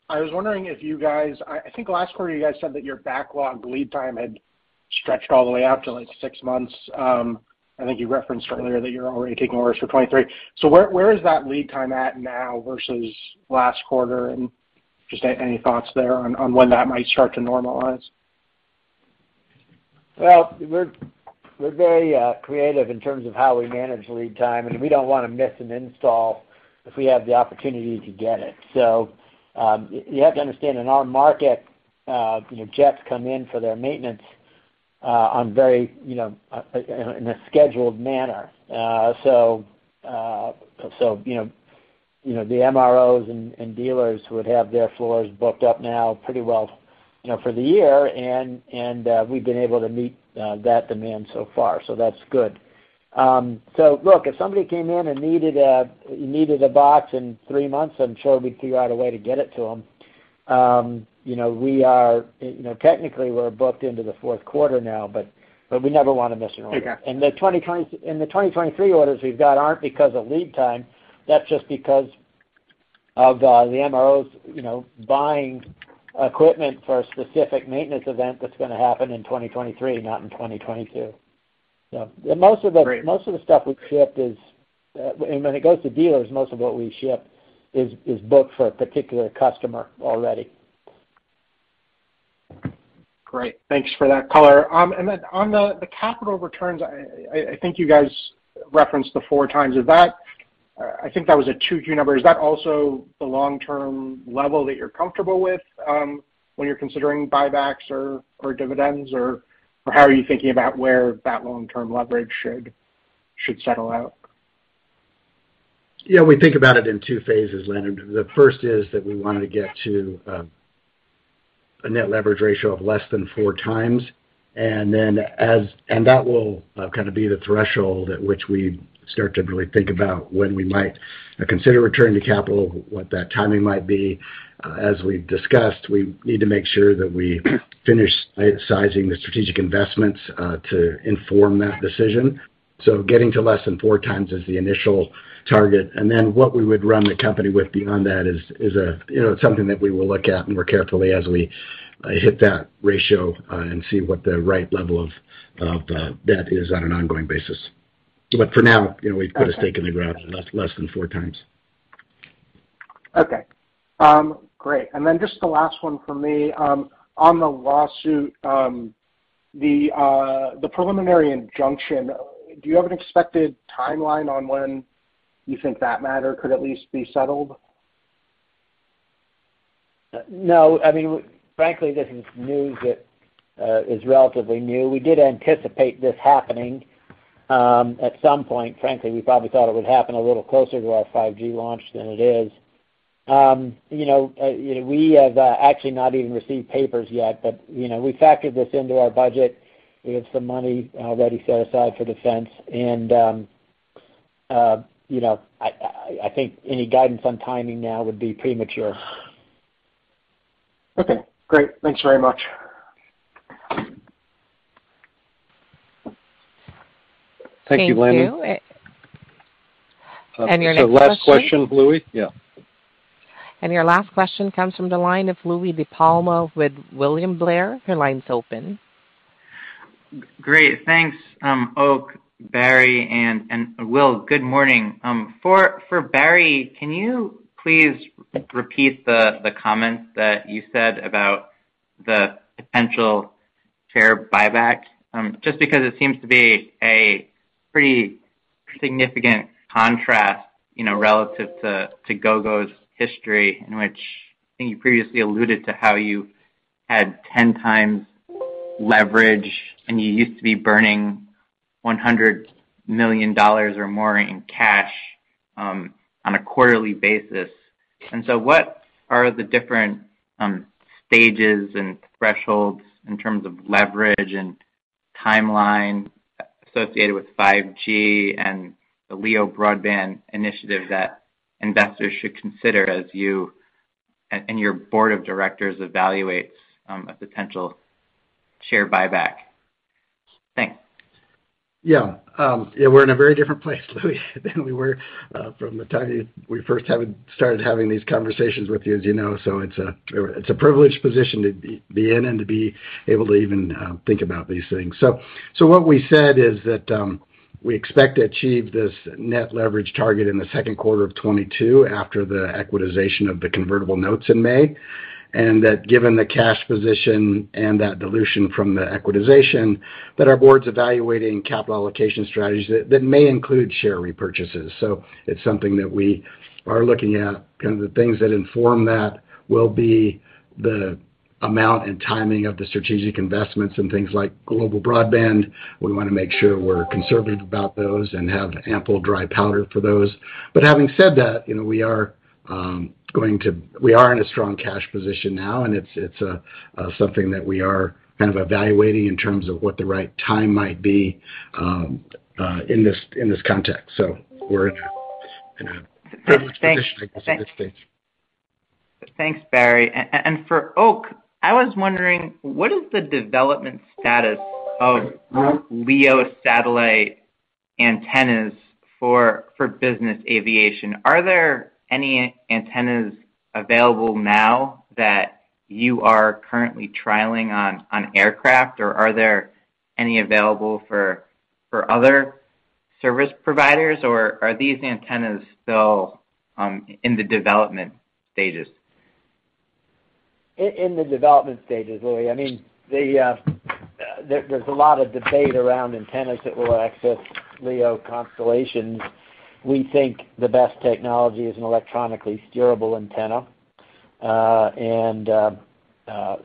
Landon. I was wondering if you guys. I think last quarter, you guys said that your backlog lead time had stretched all the way out to, like, six months. I think you referenced earlier that you're already taking orders for 2023. Where is that lead time at now versus last quarter? Just any thoughts there on when that might start to normalize? Well, we're very creative in terms of how we manage lead time, and we don't wanna miss an install if we have the opportunity to get it. You have to understand, in our market, you know, jets come in for their maintenance in a scheduled manner. You know, the MROs and dealers would have their floors booked up now pretty well, you know, for the year, and we've been able to meet that demand so far. That's good. Look, if somebody came in and needed a box in three months, I'm sure we'd figure out a way to get it to them. You know, we are, you know, technically we're booked into the 4th quarter now, but we never wanna miss an order. Okay. The 2023 orders we've got aren't because of lead time. That's just because of the MROs, you know, buying equipment for a specific maintenance event that's gonna happen in 2023, not in 2022. Most of the- Great. Most of the stuff we've shipped is, and when it goes to dealers, most of what we ship is booked for a particular customer already. Great. Thanks for that color. On the capital returns, I think you guys referenced the 4x of that. I think that was a 2Q number. Is that also the long-term level that you're comfortable with, when you're considering buybacks or dividends? Or how are you thinking about where that long-term leverage should settle out? Yeah, we think about it in two phases, Landon. The first is that we want to get to a net leverage ratio of less than four times. That will kind of be the threshold at which we start to really think about when we might consider returning to capital, what that timing might be. As we've discussed, we need to make sure that we finish sizing the strategic investments to inform that decision. Getting to less than four times is the initial target. Then what we would run the company with beyond that is a you know something that we will look at more carefully as we hit that ratio and see what the right level of the debt is on an ongoing basis. For now, you know, we've put a stake in the ground less than four times. Okay. Great. Then just the last one from me. On the lawsuit, the preliminary injunction, do you have an expected timeline on when you think that matter could at least be settled? No. I mean, frankly, this is news that is relatively new. We did anticipate this happening at some point. Frankly, we probably thought it would happen a little closer to our 5G launch than it is. You know, we have actually not even received papers yet, but you know, we factored this into our budget. We have some money already set aside for defense. You know, I think any guidance on timing now would be premature. Okay, great. Thanks very much. Thank you, Landon. Is the last question Louis? Yeah. Your last question comes from the line of Louis DiPalma with William Blair. Your line's open. Great. Thanks, Oak, Barry, and Will, good morning. For Barry, can you please repeat the comments that you said about the potential share buyback? Just because it seems to be a pretty significant contrast, you know, relative to Gogo's history in which I think you previously alluded to how you had 10x leverage, and you used to be burning $100 million or more in cash on a quarterly basis. What are the different stages and thresholds in terms of leverage and timeline associated with 5G and the LEO Broadband initiative that investors should consider as you and your board of directors evaluates a potential share buyback? Thanks. Yeah, we're in a very different place, Louis, than we were from the time we first started having these conversations with you, as you know. It's a privileged position to be in and to be able to even think about these things. What we said is that we expect to achieve this net leverage target in the 2nd quarter of 2022 after the equitization of the convertible notes in May and that given the cash position and that dilution from the equitization, our board's evaluating capital allocation strategies that may include share repurchases. It's something that we are looking at. Kind of the things that inform that will be the amount and timing of the strategic investments in things like global broadband. We wanna make sure we're conservative about those and have ample dry powder for those. But having said that, you know, we are in a strong cash position now, and it's something that we are kind of evaluating in terms of what the right time might be, in this context. We're in a privileged position, I guess, at this stage. Thanks, Barry. For Oak, I was wondering, what is the development status of LEO satellite antennas for business aviation? Are there any antennas available now that you are currently trialing on aircraft, or are there any available for other service providers, or are these antennas still in the development stages? In the development stages, Louis. I mean, there's a lot of debate around antennas that will access LEO constellations. We think the best technology is an electronically steerable antenna.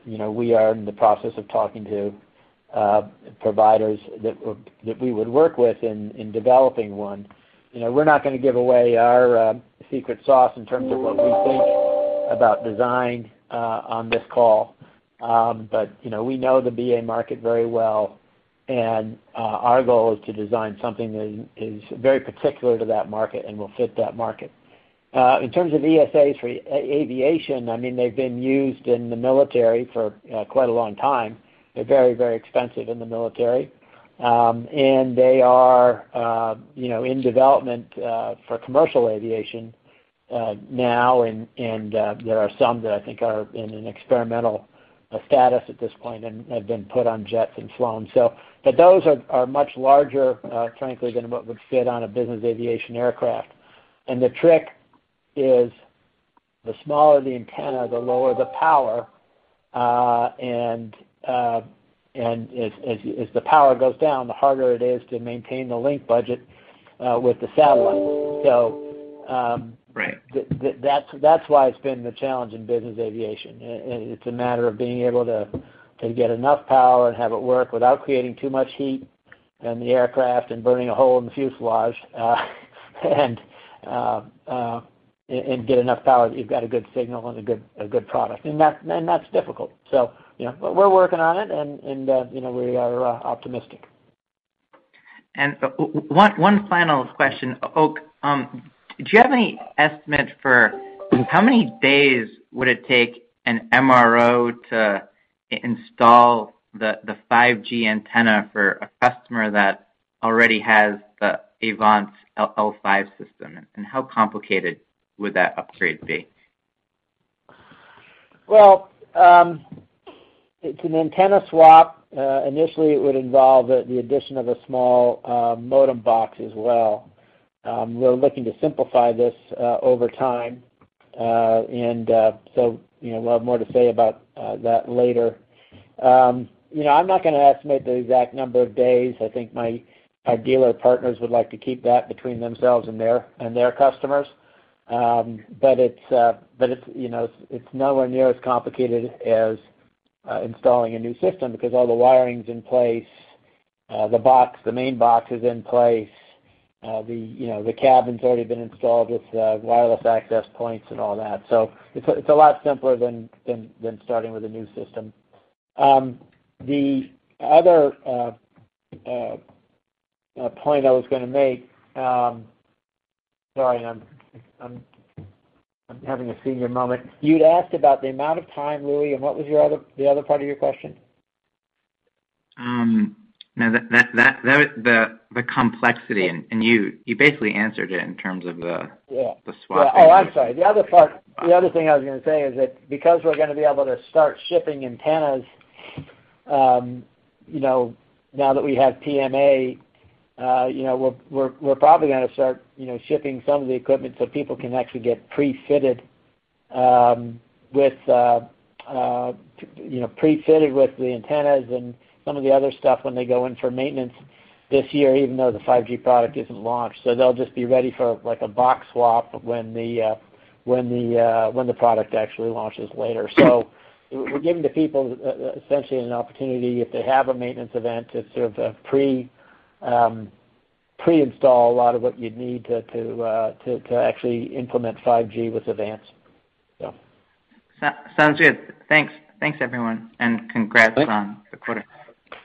You know, we are in the process of talking to providers that we would work with in developing one. You know, we're not gonna give away our secret sauce in terms of what we think about design on this call. You know, we know the BA market very well, and our goal is to design something that is very particular to that market and will fit that market. In terms of ESAs for aviation, I mean, they've been used in the military for quite a long time. They're very, very expensive in the military. They are in development for commercial aviation now, and there are some that I think are in an experimental status at this point and have been put on jets and flown. But those are much larger, frankly, than what would fit on a business aviation aircraft. The trick is, the smaller the antenna, the lower the power. As the power goes down, the harder it is to maintain the link budget with the satellite. Right That's why it's been the challenge in business aviation. It's a matter of being able to get enough power and have it work without creating too much heat in the aircraft and burning a hole in the fuselage, and get enough power that you've got a good signal and a good product. That's difficult. You know, but we're working on it, and you know, we are optimistic. One final question. Oak, do you have any estimate for how many days would it take an MRO to install the 5G antenna for a customer that already has the AVANCE L5 system, and how complicated would that upgrade be? Well, it's an antenna swap. Initially, it would involve the addition of a small modem box as well. We're looking to simplify this over time. So, you know, we'll have more to say about that later. You know, I'm not gonna estimate the exact number of days. I think our dealer partners would like to keep that between themselves and their customers. But it's, you know, it's nowhere near as complicated as installing a new system because all the wiring's in place. The main box is in place. You know, the cabin's already been installed with the wireless access points and all that. So it's a lot simpler than starting with a new system. The other point I was gonna make. Sorry, I'm having a senior moment. You'd asked about the amount of time, Louis, and what was the other part of your question? No, that the complexity, and you basically answered it in terms of the Yeah The swap. Oh, I'm sorry. The other part, the other thing I was gonna say is that because we're gonna be able to start shipping antennas, you know, now that we have PMA, you know, we're probably gonna start, you know, shipping some of the equipment so people can actually get pre-fitted with the antennas and some of the other stuff when they go in for maintenance this year, even though the 5G product isn't launched. They'll just be ready for, like, a box swap when the product actually launches later. We're giving the people essentially an opportunity, if they have a maintenance event, to sort of pre-install a lot of what you'd need to actually implement 5G with AVANCE. Yeah. Sounds good. Thanks everyone, and congrats on the quarter. Thanks.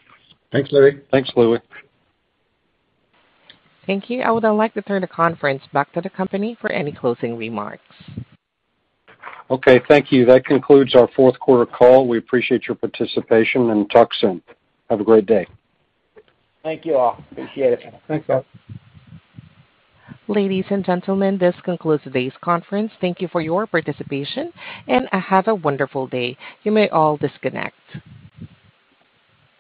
Thanks, Barry. Thanks, Louie. Thank you. I would now like to turn the conference back to the company for any closing remarks. Okay, thank you. That concludes our 4th quarter call. We appreciate your participation and talk soon. Have a great day. Thank you all. I appreciate it. Thanks, guys. Ladies and gentlemen, this concludes today's conference. Thank you for your participation, and have a wonderful day. You may all disconnect.